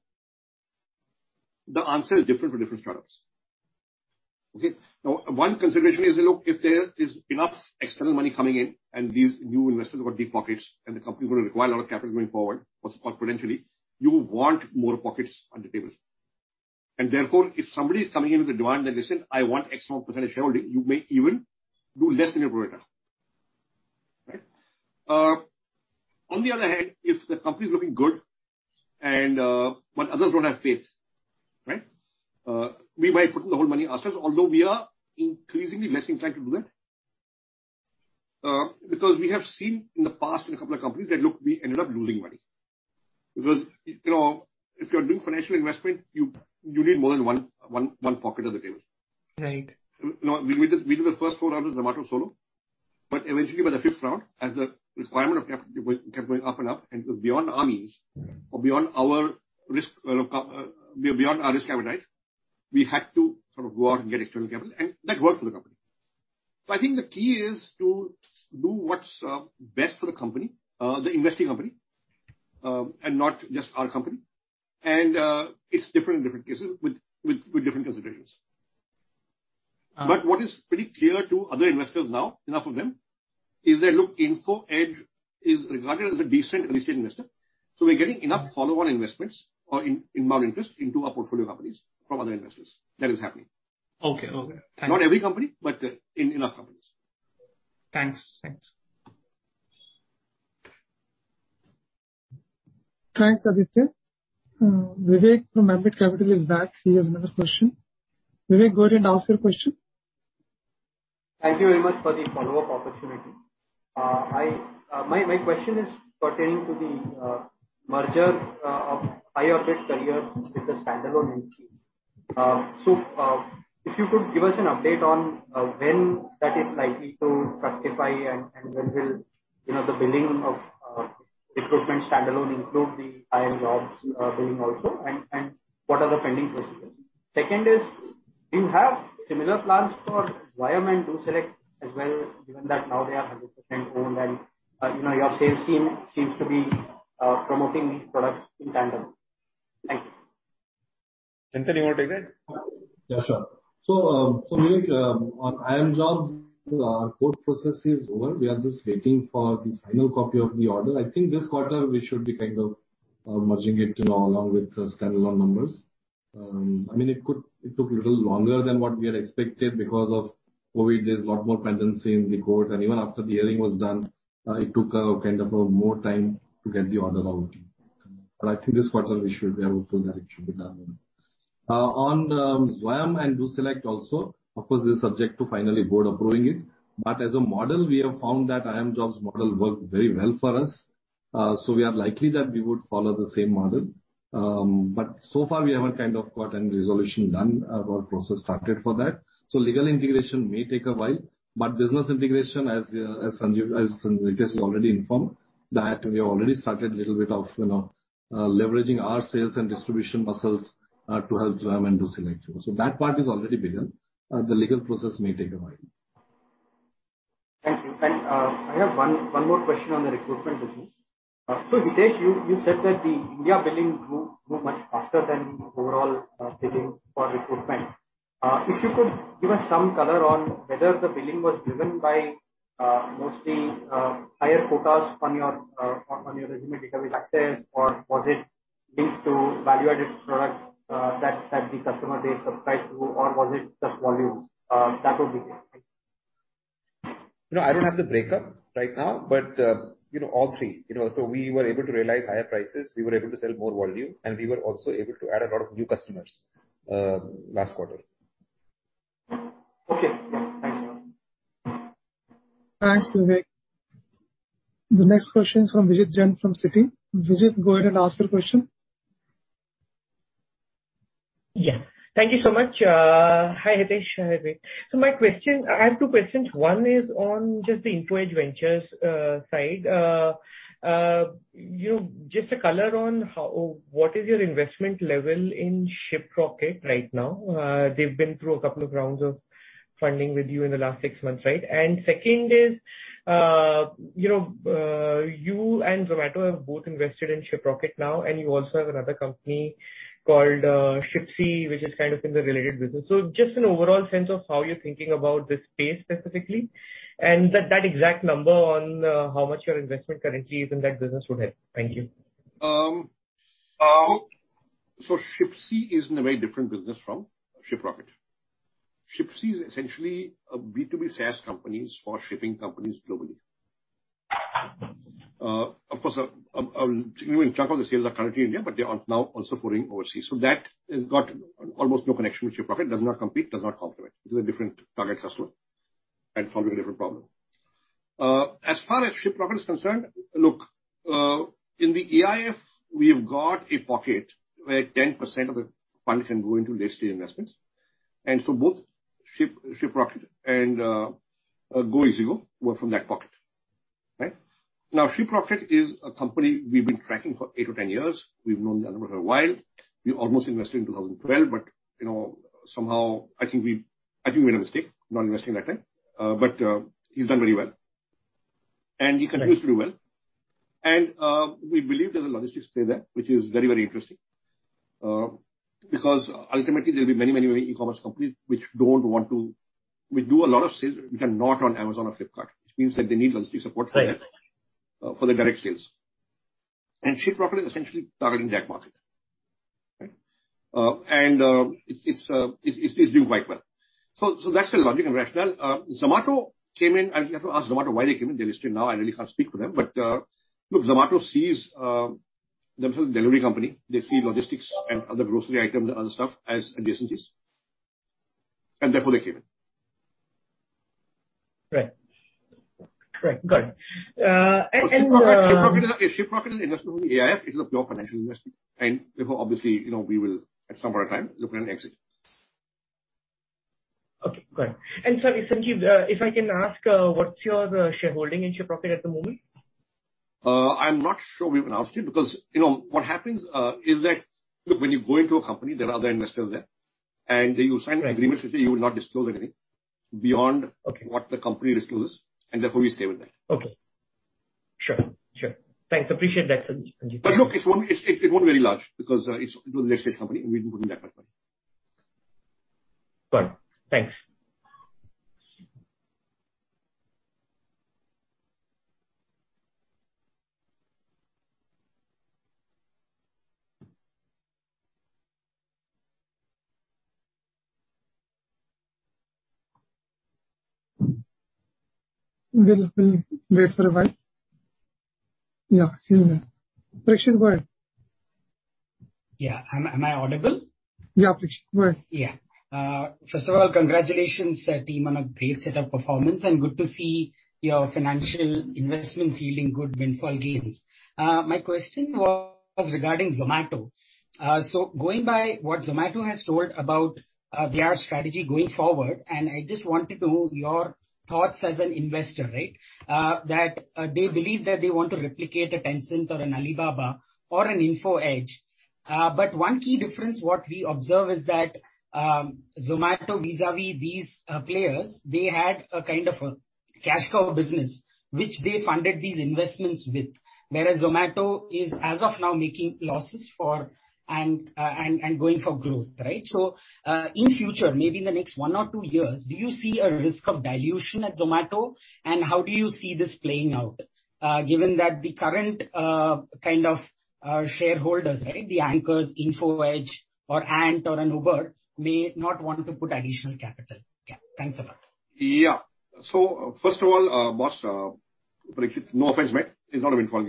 the answer is different for different startups. Okay? Now, one consideration is, look, if there is enough external money coming in, and these new investors have got deep pockets, and the company is gonna require a lot of capital going forward, what's called exponentially, you want more pockets on the table. And therefore, if somebody is coming in with a demand that, "Listen, I want X amount percentage shareholding," you may even do less than your pro rata. Right? On the other hand, if the company is looking good and but others don't have faith, right? We might put in the whole money ourselves, although we are increasingly less inclined to do that. Because we have seen in the past in a couple of companies that, look, we ended up losing money. Because, you know, if you're doing financial investment, you need more than one pocket on the table. Right. You know, we did the first four rounds of Zomato solo. Eventually by the fifth round, as the requirement of cap went, kept going up and up, and it was beyond our means or beyond our risk appetite, we had to sort of go out and get external capital, and that worked for the company. I think the key is to do what's best for the company, the investing company, and not just our company. It's different in different cases with different considerations. Uh- What is pretty clear to other investors now, enough of them, is that, look, Info Edge is regarded as a decent early-stage investor, so we're getting enough follow-on investments or inbound interest into our portfolio companies from other investors. That is happening. Okay. Thank you. Not every company, but in enough companies. Thanks. Thanks. Thanks, Aditya. Vivek from Ambit Capital is back. He has another question. Vivek, go ahead and ask your question. Thank you very much for the follow-up opportunity. My question is pertaining to the merger of Highorbit Careers with the standalone entity. If you could give us an update on when that is likely to fructify and when will, you know, the billing of recruitment standalone include the iimjobs billing also, and what are the pending procedures? Second is, do you have similar plans for Zomato and DoSelect as well, given that now they are 100% owned and, you know, your sales team seems to be promoting these products in tandem. Thank you. Chintan, you wanna take that? Yeah, sure. Vivek, on iimjobs, court process is over. We are just waiting for the final copy of the order. I think this quarter, we should be kind of merging it, you know, along with the standalone numbers. I mean, it took a little longer than what we had expected because of COVID. There's a lot more pendency in the court. Even after the hearing was done, it took kind of more time to get the order out. I think this quarter we should be able to. It should be done. On Zwayam and DoSelect also, of course, this is subject to final board approving it, but as a model, we have found that iimjobs model worked very well for us. We are likely to follow the same model. So far we haven't kind of got any resolution done or process started for that. Legal integration may take a while, but business integration, as Sanjeev just already informed, that we have already started a little bit of, you know, leveraging our sales and distribution muscles to help Zwayam and DoSelect. That part is already begun. The legal process may take a while. Thank you. I have one more question on the recruitment business. Hitesh, you said that the Indian billing grew much faster than overall billing for recruitment. If you could give us some color on whether the billing was driven by mostly higher quotas on your resume database access, or was it linked to value-added products that the customer they subscribe to, or was it just volumes? That would be great. Thank you. You know, I don't have the breakup right now, but, you know, all three. You know, we were able to realize higher prices, we were able to sell more volume, and we were also able to add a lot of new customers, last quarter. Okay. Thanks a lot. Thanks, Vivek. The next question is from Vijit Jain from Citi. Vijit, go ahead and ask your question. Yeah. Thank you so much. Hi, Hitesh, Vivek. My question, I have two questions. One is on just the Info Edge Ventures side. You know, just a color on how, what is your investment level in Shiprocket right now? They've been through a couple of rounds of funding with you in the last six months, right? Second is, you know, you and Zomato have both invested in Shiprocket now, and you also have another company called Shipsy, which is kind of in the related business. Just an overall sense of how you're thinking about this space specifically, and that exact number on how much your investment currently is in that business would help. Thank you. Shipsy is in a very different business from Shiprocket. Shipsy is essentially a B2B SaaS company for shipping companies globally. Of course, you know, a chunk of the sales are currently in India, but they are now also pushing overseas. That has got almost no connection with Shiprocket, does not compete, does not complement. It is a different target customer and solving a different problem. As far as Shiprocket is concerned, look, in the AIF, we have got a pocket where 10% of the fund can go into listed investments. For both Shiprocket and Goqii were from that pocket. Right? Now, Shiprocket is a company we've been tracking for 8-10 years. We've known the entrepreneur a while. We almost invested in 2012, but, you know, somehow I think we made a mistake not investing at that time. He's done very well. He continues to do well. We believe there's a logistics play there, which is very, very interesting, because ultimately there'll be many e-commerce companies which do a lot of sales which are not on Amazon or Flipkart, which means that they need logistics support for that. Right. for the direct sales. Shiprocket is essentially targeting that market. Right? It's doing quite well. That's the logic and rationale. Zomato came in, and you have to ask Zomato why they came in. They listed now. I really can't speak for them. Look, Zomato sees themselves a delivery company. They see logistics and other grocery items and stuff as adjacencies. Therefore they came in. Right. Correct. Got it. Shiprocket is invested only in AIF. It is a pure financial investment. Therefore, obviously, you know, we will, at some point in time, look at an exit. Okay, got it. Sorry, Sanjeev, if I can ask, what's your shareholding in Shiprocket at the moment? I'm not sure we've announced it because, you know, what happens is that, look, when you go into a company, there are other investors there, and you sign an agreement with them, you will not disclose anything beyond. Okay. What the company discloses, and therefore we stay with that. Okay. Sure. Thanks. I appreciate that, Sanjeev. Look, it's one, it's not very large because it's, you know, a listed company and we didn't put in that much money. Got it. Thanks. We'll wait for a while. Yeah. He's there. Prakshit, go ahead. Yeah. Am I audible? Yeah, Prakshit. Go ahead. Yeah. First of all, congratulations, team, on a great set of performance, and good to see your financial investments yielding good windfall gains. My question was regarding Zomato. Going by what Zomato has told about their strategy going forward, and I just wanted to know your thoughts as an investor, right? That they believe that they want to replicate a Tencent or an Alibaba or an Info Edge. But one key difference what we observe is that Zomato vis-à-vis these players, they had a kind of a cash cow business, which they funded these investments with. Whereas Zomato is, as of now, making losses, and going for growth, right? In future, maybe in the next one or two years, do you see a risk of dilution at Zomato? How do you see this playing out, given that the current kind of shareholders, right, the anchors, Info Edge or Ant or Uber may not want to put additional capital? Yeah. Thanks a lot. Yeah. First of all, boss, Prakshit, no offense meant. It's not a windfall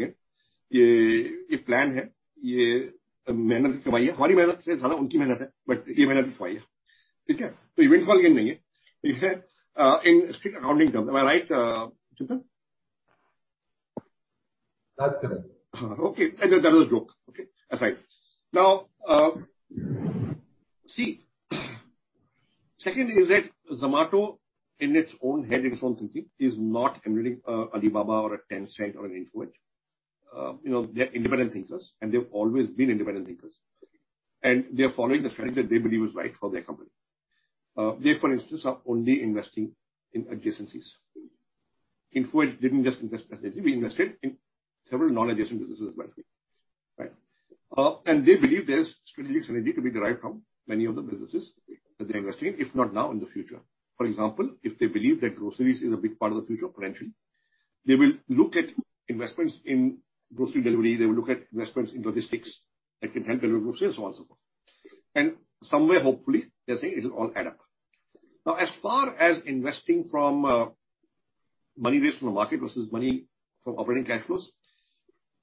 gain. That's correct. Okay. That was a joke. Okay. Aside. Now, see, second is that Zomato, in its own head, if I'm thinking, is not emulating an Alibaba or a Tencent or an Info Edge. You know, they're independent thinkers, and they've always been independent thinkers. They are following the strategy that they believe is right for their company. They, for instance, are only investing in adjacencies. Info Edge didn't just invest in adjacencies, we invested in several non-adjacent businesses as well, right? They believe there's strategic synergy to be derived from many of the businesses that they're investing in, if not now, in the future. For example, if they believe that groceries is a big part of the future potentially, they will look at investments in grocery delivery, they will look at investments in logistics that can help deliver groceries, so on and so forth. Somewhere, hopefully, they're saying it'll all add up. Now, as far as investing from money raised from the market versus money from operating cash flows,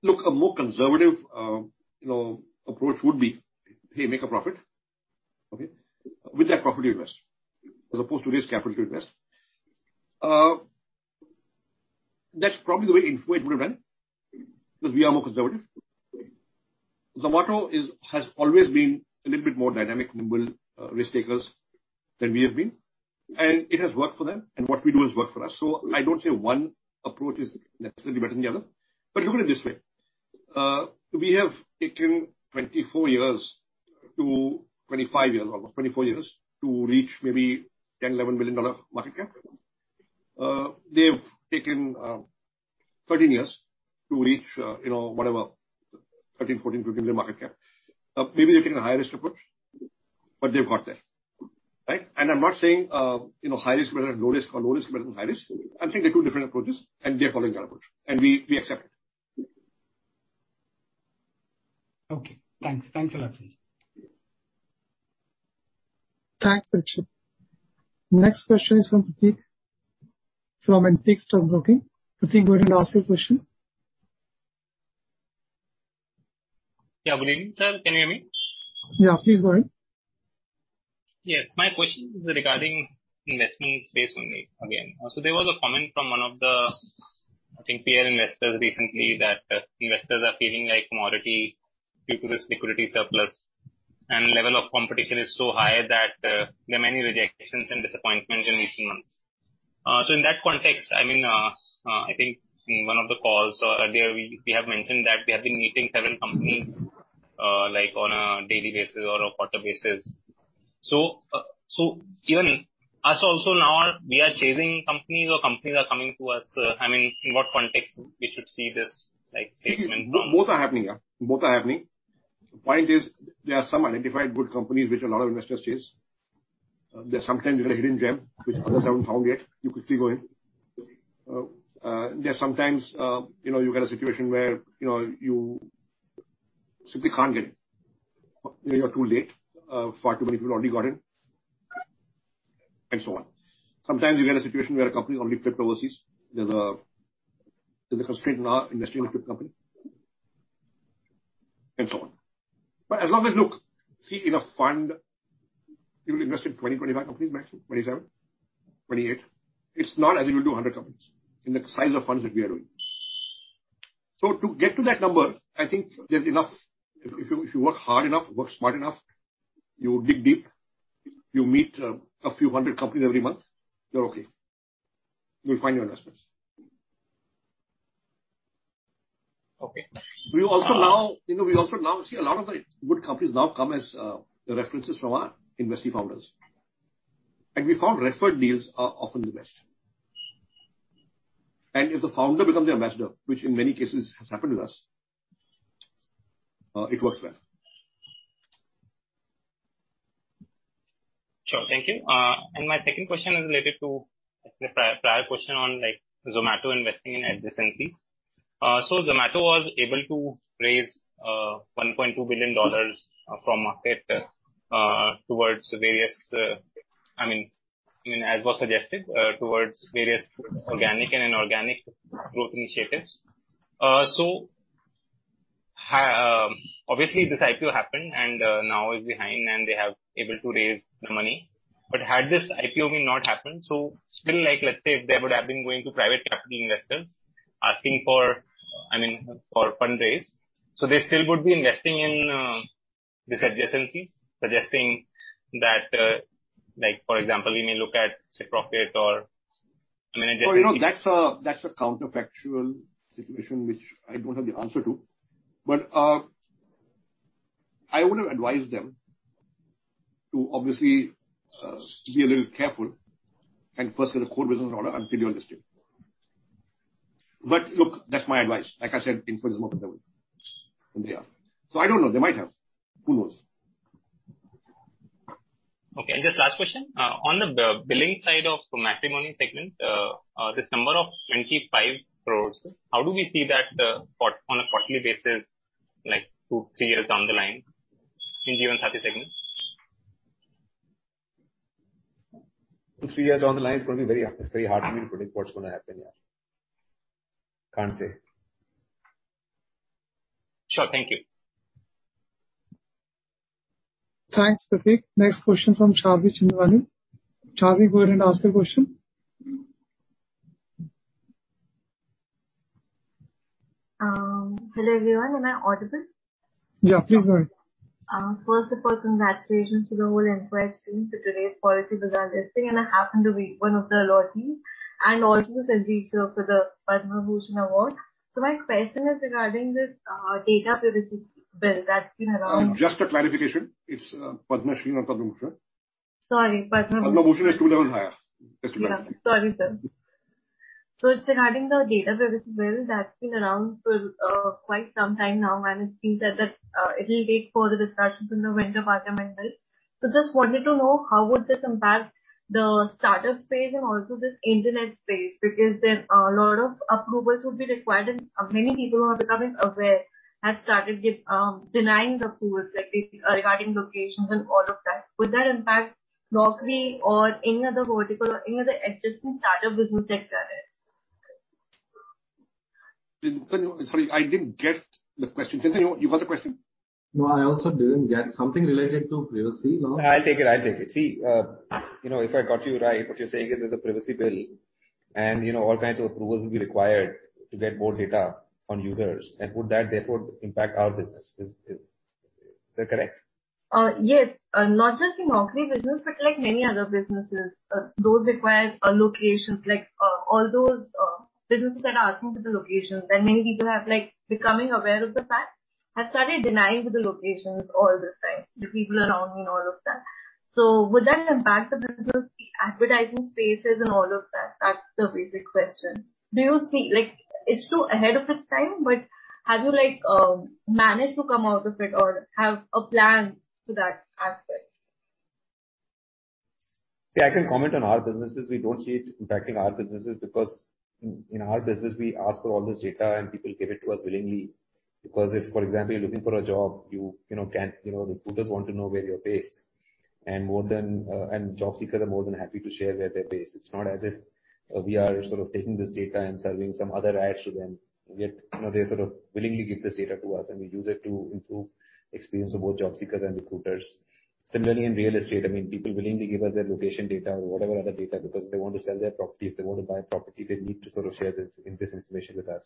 look, a more conservative, you know, approach would be, hey, make a profit. Okay. With that profit invest, as opposed to raise capital to invest. That's probably the way Info Edge would have run, because we are more conservative. Zomato is, has always been a little bit more dynamic, mobile, risk-takers than we have been. It has worked for them, and what we do has worked for us. I don't say one approach is necessarily better than the other. Look at it this way, we have taken 24-25 years, almost 24 years to reach maybe $10 billion-$11 billion market cap. They've taken 13 years to reach, you know, whatever, $13 billion-$15 billion market cap. Maybe they've taken a higher risk approach, but they've got there. Right? I'm not saying, you know, high risk is better than low risk or low risk is better than high risk. I think they're two different approaches and they're following their approach, and we accept it. Okay, thanks. Thanks a lot. Thanks, Prakshit. Next question is from Prateek from Antique Stock Broking. Prateek, go ahead and ask your question. Yeah. Good evening, sir. Can you hear me? Yeah, please go ahead. Yes. My question is regarding investing space only again. There was a comment from one of the, I think, peer investors recently that investors are feeling like commodity due to this liquidity surplus, and level of competition is so high that there are many rejections and disappointments in recent months. In that context, I mean, I think in one of the calls or earlier we have mentioned that we have been meeting seven companies like on a daily basis or a quarter basis. Even us also now we are chasing companies or companies are coming to us? I mean, in what context we should see this like statement from- Both are happening. Point is there are some identified good companies which a lot of investors chase. There are some times you get a hidden gem which others haven't found yet, you could still go in. There are some times, you know, you get a situation where, you know, you simply can't get in. You're too late, far too many people already got in, and so on. Sometimes you get a situation where a company only flip overseas. There's a constraint in our industry with flip company, and so on. But as long as. Look, see in a fund you will invest in 25 companies maximum, 27, 28. It's not as if you'll do 100 companies in the size of funds that we are doing. To get to that number, I think there's enough. If you work hard enough, work smart enough, you dig deep, you meet a few hundred companies every month, you're okay. You'll find your investments. Okay. We also now see a lot of the good companies now come as references from our investee founders. We found referred deals are often the best. If the founder becomes the ambassador, which in many cases has happened with us, it works well. Sure. Thank you. My second question is related to the prior question on like Zomato investing in adjacencies. Zomato was able to raise $1.2 billion from market towards various, I mean, as was suggested, towards various organic and inorganic growth initiatives. Obviously this IPO happened and now is behind and they have able to raise the money. Had this IPO may not happened, still like let's say if they would have been going to private capital investors asking for, I mean, for fundraise, they still would be investing in these adjacencies, suggesting that, like, for example, we may look at say Grofers or, I mean, adjacencies. Well, you know, that's a counterfactual situation which I don't have the answer to. I would have advised them to obviously be a little careful and first get a core business in order and build your business. Look, that's my advice. Like I said, Info Edge is more conservative than they are. I don't know. They might have. Who knows? Okay. Just last question. On the billing side of the matrimony segment, this number of 25 crores, how do we see that on a quarterly basis, like 2-3 years down the line in Jeevansathi segment? Two, three years down the line, it's very hard for me to predict what's gonna happen, yeah. Can't say. Sure. Thank you. Thanks, Prateek. Next question from Sharvi Chinnaswamy. Sharvi, go ahead and ask your question. Hello, everyone. Am I audible? Yeah. Please go ahead. First of all, congratulations to the whole Info Edge team for today's policy. Just a clarification. It's Padma Shri, not Padma Bhushan. Sorry, Padma. Padma Bhushan is two levels higher. Just to clarify. Yeah. Sorry, sir. It's regarding the data privacy bill that's been around for quite some time now. It seems that it'll take further discussions in the winter Parliament bill. Just wanted to know how would this impact the startup space and also this internet space because there's a lot of approvals would be required and many people who are becoming aware have started denying the pulls like this regarding locations and all of that. Would that impact Naukri or any other vertical or any other adjacent startup business sector? Sorry, I didn't get the question. Chintan, you got the question? No, I also didn't get something related to privacy law. I'll take it. See, you know, if I got you right, what you're saying is there's a privacy bill and, you know, all kinds of approvals will be required to get more data on users. Would that therefore impact our business? Is that correct? Yes. Not just the Naukri business, but like many other businesses, those require a location. Like, all those businesses that are asking for the locations and many people have, like, becoming aware of the fact, have started denying the locations all this time, the people around me and all of that. Would that impact the business, the advertising spaces and all of that? That's the basic question. Do you see? Like, it's too ahead of its time, but have you, like, managed to come out of it or have a plan for that aspect? See, I can comment on our businesses. We don't see it impacting our businesses because in our business, we ask for all this data and people give it to us willingly. Because if, for example, you're looking for a job, you know, the recruiters want to know where you're based. Job seekers are more than happy to share where they're based. It's not as if we are sort of taking this data and selling some other ads to them. You know, they sort of willingly give this data to us, and we use it to improve experience of both job seekers and recruiters. Similarly, in real estate, I mean, people willingly give us their location data or whatever other data because they want to sell their property. If they want to buy property, they need to sort of share this information with us.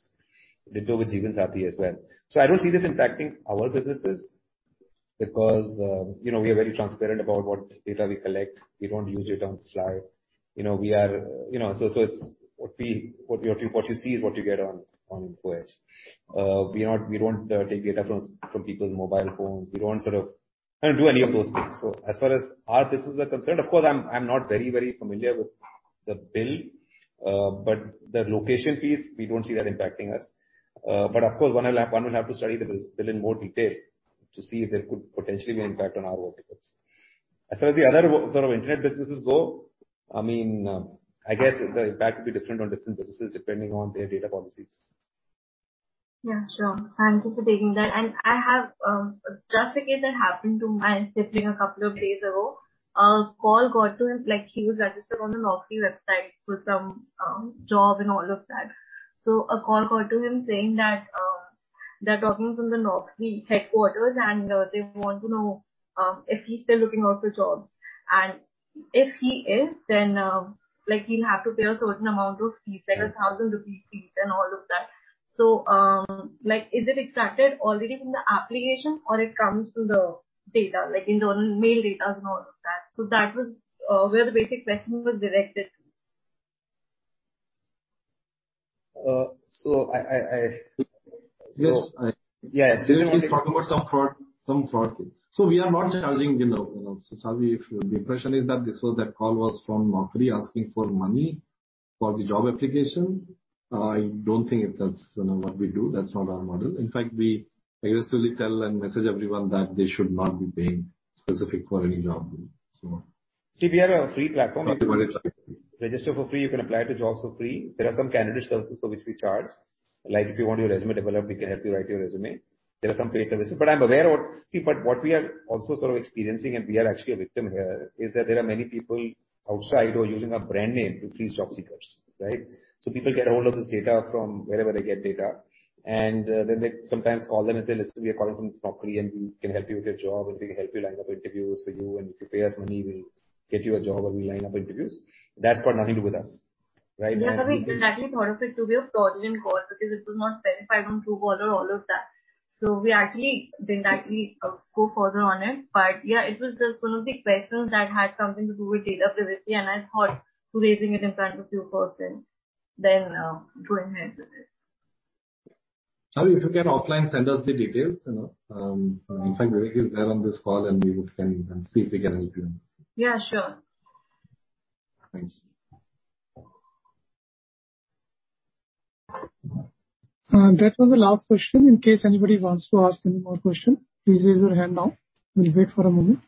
They do with Jeevansathi as well. I don't see this impacting our businesses because, you know, we are very transparent about what data we collect. We don't use it on sly. You know, so it's what you see is what you get on Info Edge. We don't take data from people's mobile phones. We don't sort of do any of those things. As far as our businesses are concerned, of course, I'm not very, very familiar with the bill, but the location piece, we don't see that impacting us. Of course, one will have to study the bill in more detail to see if there could potentially be impact on our verticals. As far as the other sort of internet businesses go, I mean, I guess the impact could be different on different businesses depending on their data policies. Yeah, sure. Thank you for taking that. I have just a case that happened to my sibling a couple of days ago. A call got to him like he was registered on the Naukri website for some job and all of that. A call got to him saying that they're talking from the Naukri headquarters, and they want to know if he's still looking out for jobs. And if he is, then like he'll have to pay a certain amount of fees, like 1,000 rupees fees and all of that. Like is it extracted already from the application or it comes through the data, like in the mail data and all of that? That was where the basic question was directed. Uh, so I, I... Yes. Yes. She's talking about some fraud, some fraud case. We are not charging, you know. Sharvi, if the impression is that the call was from Naukri asking for money for the job application, I don't think that's, you know, what we do. That's not our model. In fact, we aggressively tell and message everyone that they should not be paying specifically for any job, so. See, we are a free platform. Register for free. You can apply to jobs for free. There are some candidate services for which we charge. Like if you want your resume developed, we can help you write your resume. There are some paid services. See, but what we are also sort of experiencing, and we are actually a victim here, is that there are many people outside who are using our brand name to fleece job seekers, right? People get a hold of this data from wherever they get data. Then they sometimes call them and say, "Listen, we are calling from Naukri, and we can help you with your job, and we can help you line up interviews for you, and if you pay us money, we'll get you a job or we line up interviews." That's got nothing to do with us, right? Yeah. We indirectly thought of it to be a fraudulent call because it was not verified on Truecaller, all of that. We actually didn't go further on it. Yeah, it was just one of the questions that had something to do with data privacy, and I thought to raising it in front of you first then, going ahead with it. Sharvi, if you can offline send us the details, you know. In fact, Vivek is there on this call, and can see if we can help you. Yeah, sure. Thanks. That was the last question. In case anybody wants to ask any more question, please raise your hand now. We'll wait for a minute.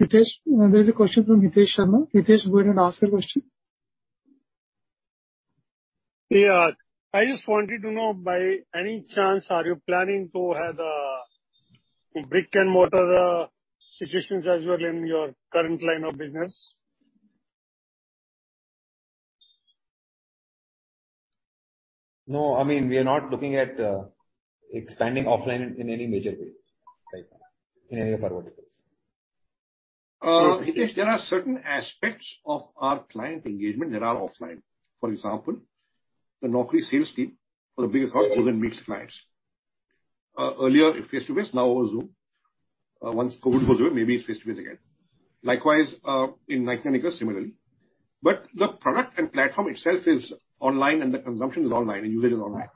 Hitesh, there's a question from Hitesh Oberoi. Hitesh, go ahead and ask your question. Yeah. I just wanted to know, by any chance, are you planning to have brick-and-mortar situations as well in your current line of business? No. I mean, we are not looking at expanding offline in any major way right now in any of our verticals. Hitesh, there are certain aspects of our client engagement that are offline. For example, the Naukri sales team for the bigger clients goes and meets clients. Earlier it was face-to-face, now over Zoom. Once COVID goes away, maybe it's face-to-face again. Likewise, in the company similarly. The product and platform itself is online, and the consumption is online, and usage is online.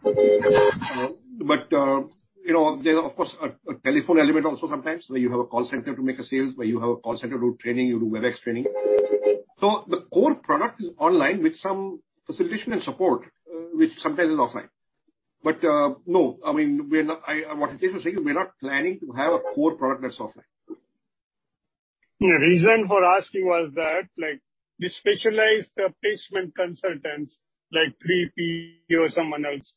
You know, there is of course a telephone element also sometimes, where you have a call center to make sales, where you have a call center to do training, you do Webex training. The core product is online with some facilitation and support, which sometimes is offline. No, I mean, what Hitesh is saying, we're not planning to have a core product that's offline. The reason for asking was that, like, the specialized placement consultants like 3P or someone else,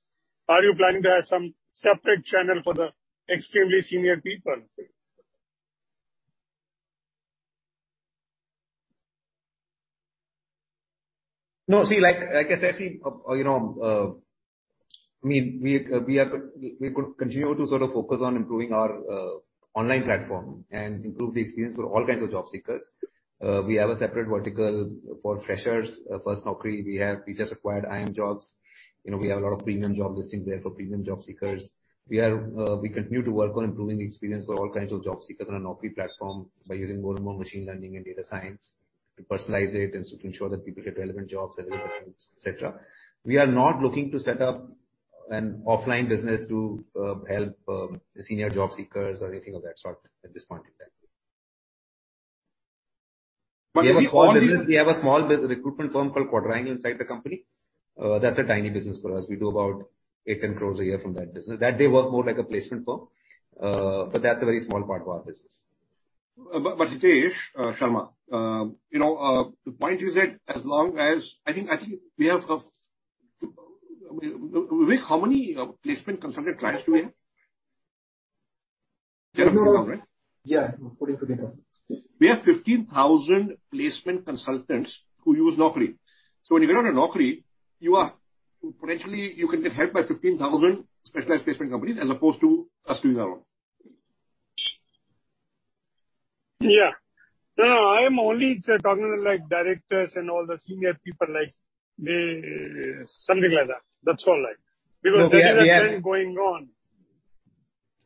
are you planning to have some separate channel for the extremely senior people? No. See, like I said, see, you know, I mean, we could continue to sort of focus on improving our online platform and improve the experience for all kinds of job seekers. We have a separate vertical for freshers. We have FirstNaukri. We just acquired iimjobs. You know, we have a lot of premium job listings there for premium job seekers. We continue to work on improving the experience for all kinds of job seekers on our Naukri platform by using more and more machine learning and data science to personalize it and so to ensure that people get relevant jobs, relevant roles, et cetera. We are not looking to set up an offline business to help the senior job seekers or anything of that sort at this point in time. But we only- We have a small business. We have a small recruitment firm called Quadrangle inside the company. That's a tiny business for us. We do about 8 crores-10 crores a year from that business. They work more like a placement firm. But that's a very small part of our business. Hitesh, you know, the point is that as long as I think we have, I mean, Vivek, how many placement consultant clients do we have? Yeah. Putting together. We have 15,000 placement consultants who use Naukri. When you go on a Naukri, you are, potentially you can get helped by 15,000 specialized placement companies as opposed to us doing our own. Yeah. No, no, I am only talking like directors and all the senior people like me, something like that. That's all, like. No, we have. Because there is a trend going on.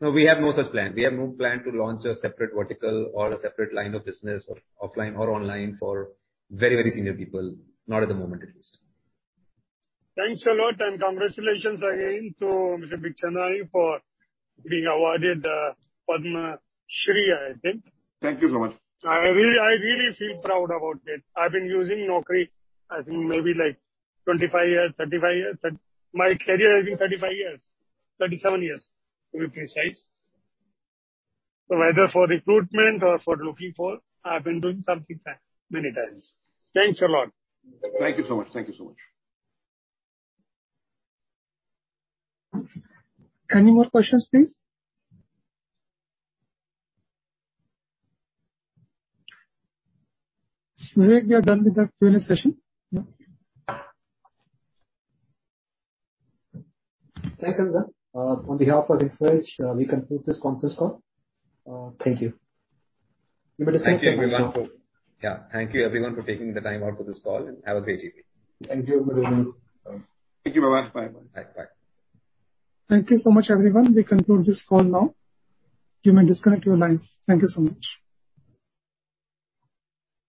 No, we have no such plan. We have no plan to launch a separate vertical or a separate line of business or offline or online for very, very senior people, not at the moment at least. Thanks a lot, and congratulations again to Mr. Bikhchandani for being awarded Padma Shri, I think. Thank you so much. I really feel proud about it. I've been using Naukri, I think maybe like 25 years, 35 years. My career has been 35 years. 37 years, to be precise. Whether for recruitment or for looking for, I've been doing something there many times. Thanks a lot. Thank you so much. Thank you so much. Any more questions, please? Vivek, we are done with the Q&A session. No? Thanks, Anand. On behalf of Info Edge, we conclude this conference call. Thank you. Thank you, everyone. Yeah. Thank you everyone for taking the time out for this call, and have a great evening. Thank you. Bye-bye. Thank you, bye-bye. Bye. Bye. Bye. Thank you so much, everyone. We conclude this call now. You may disconnect your lines. Thank you so much.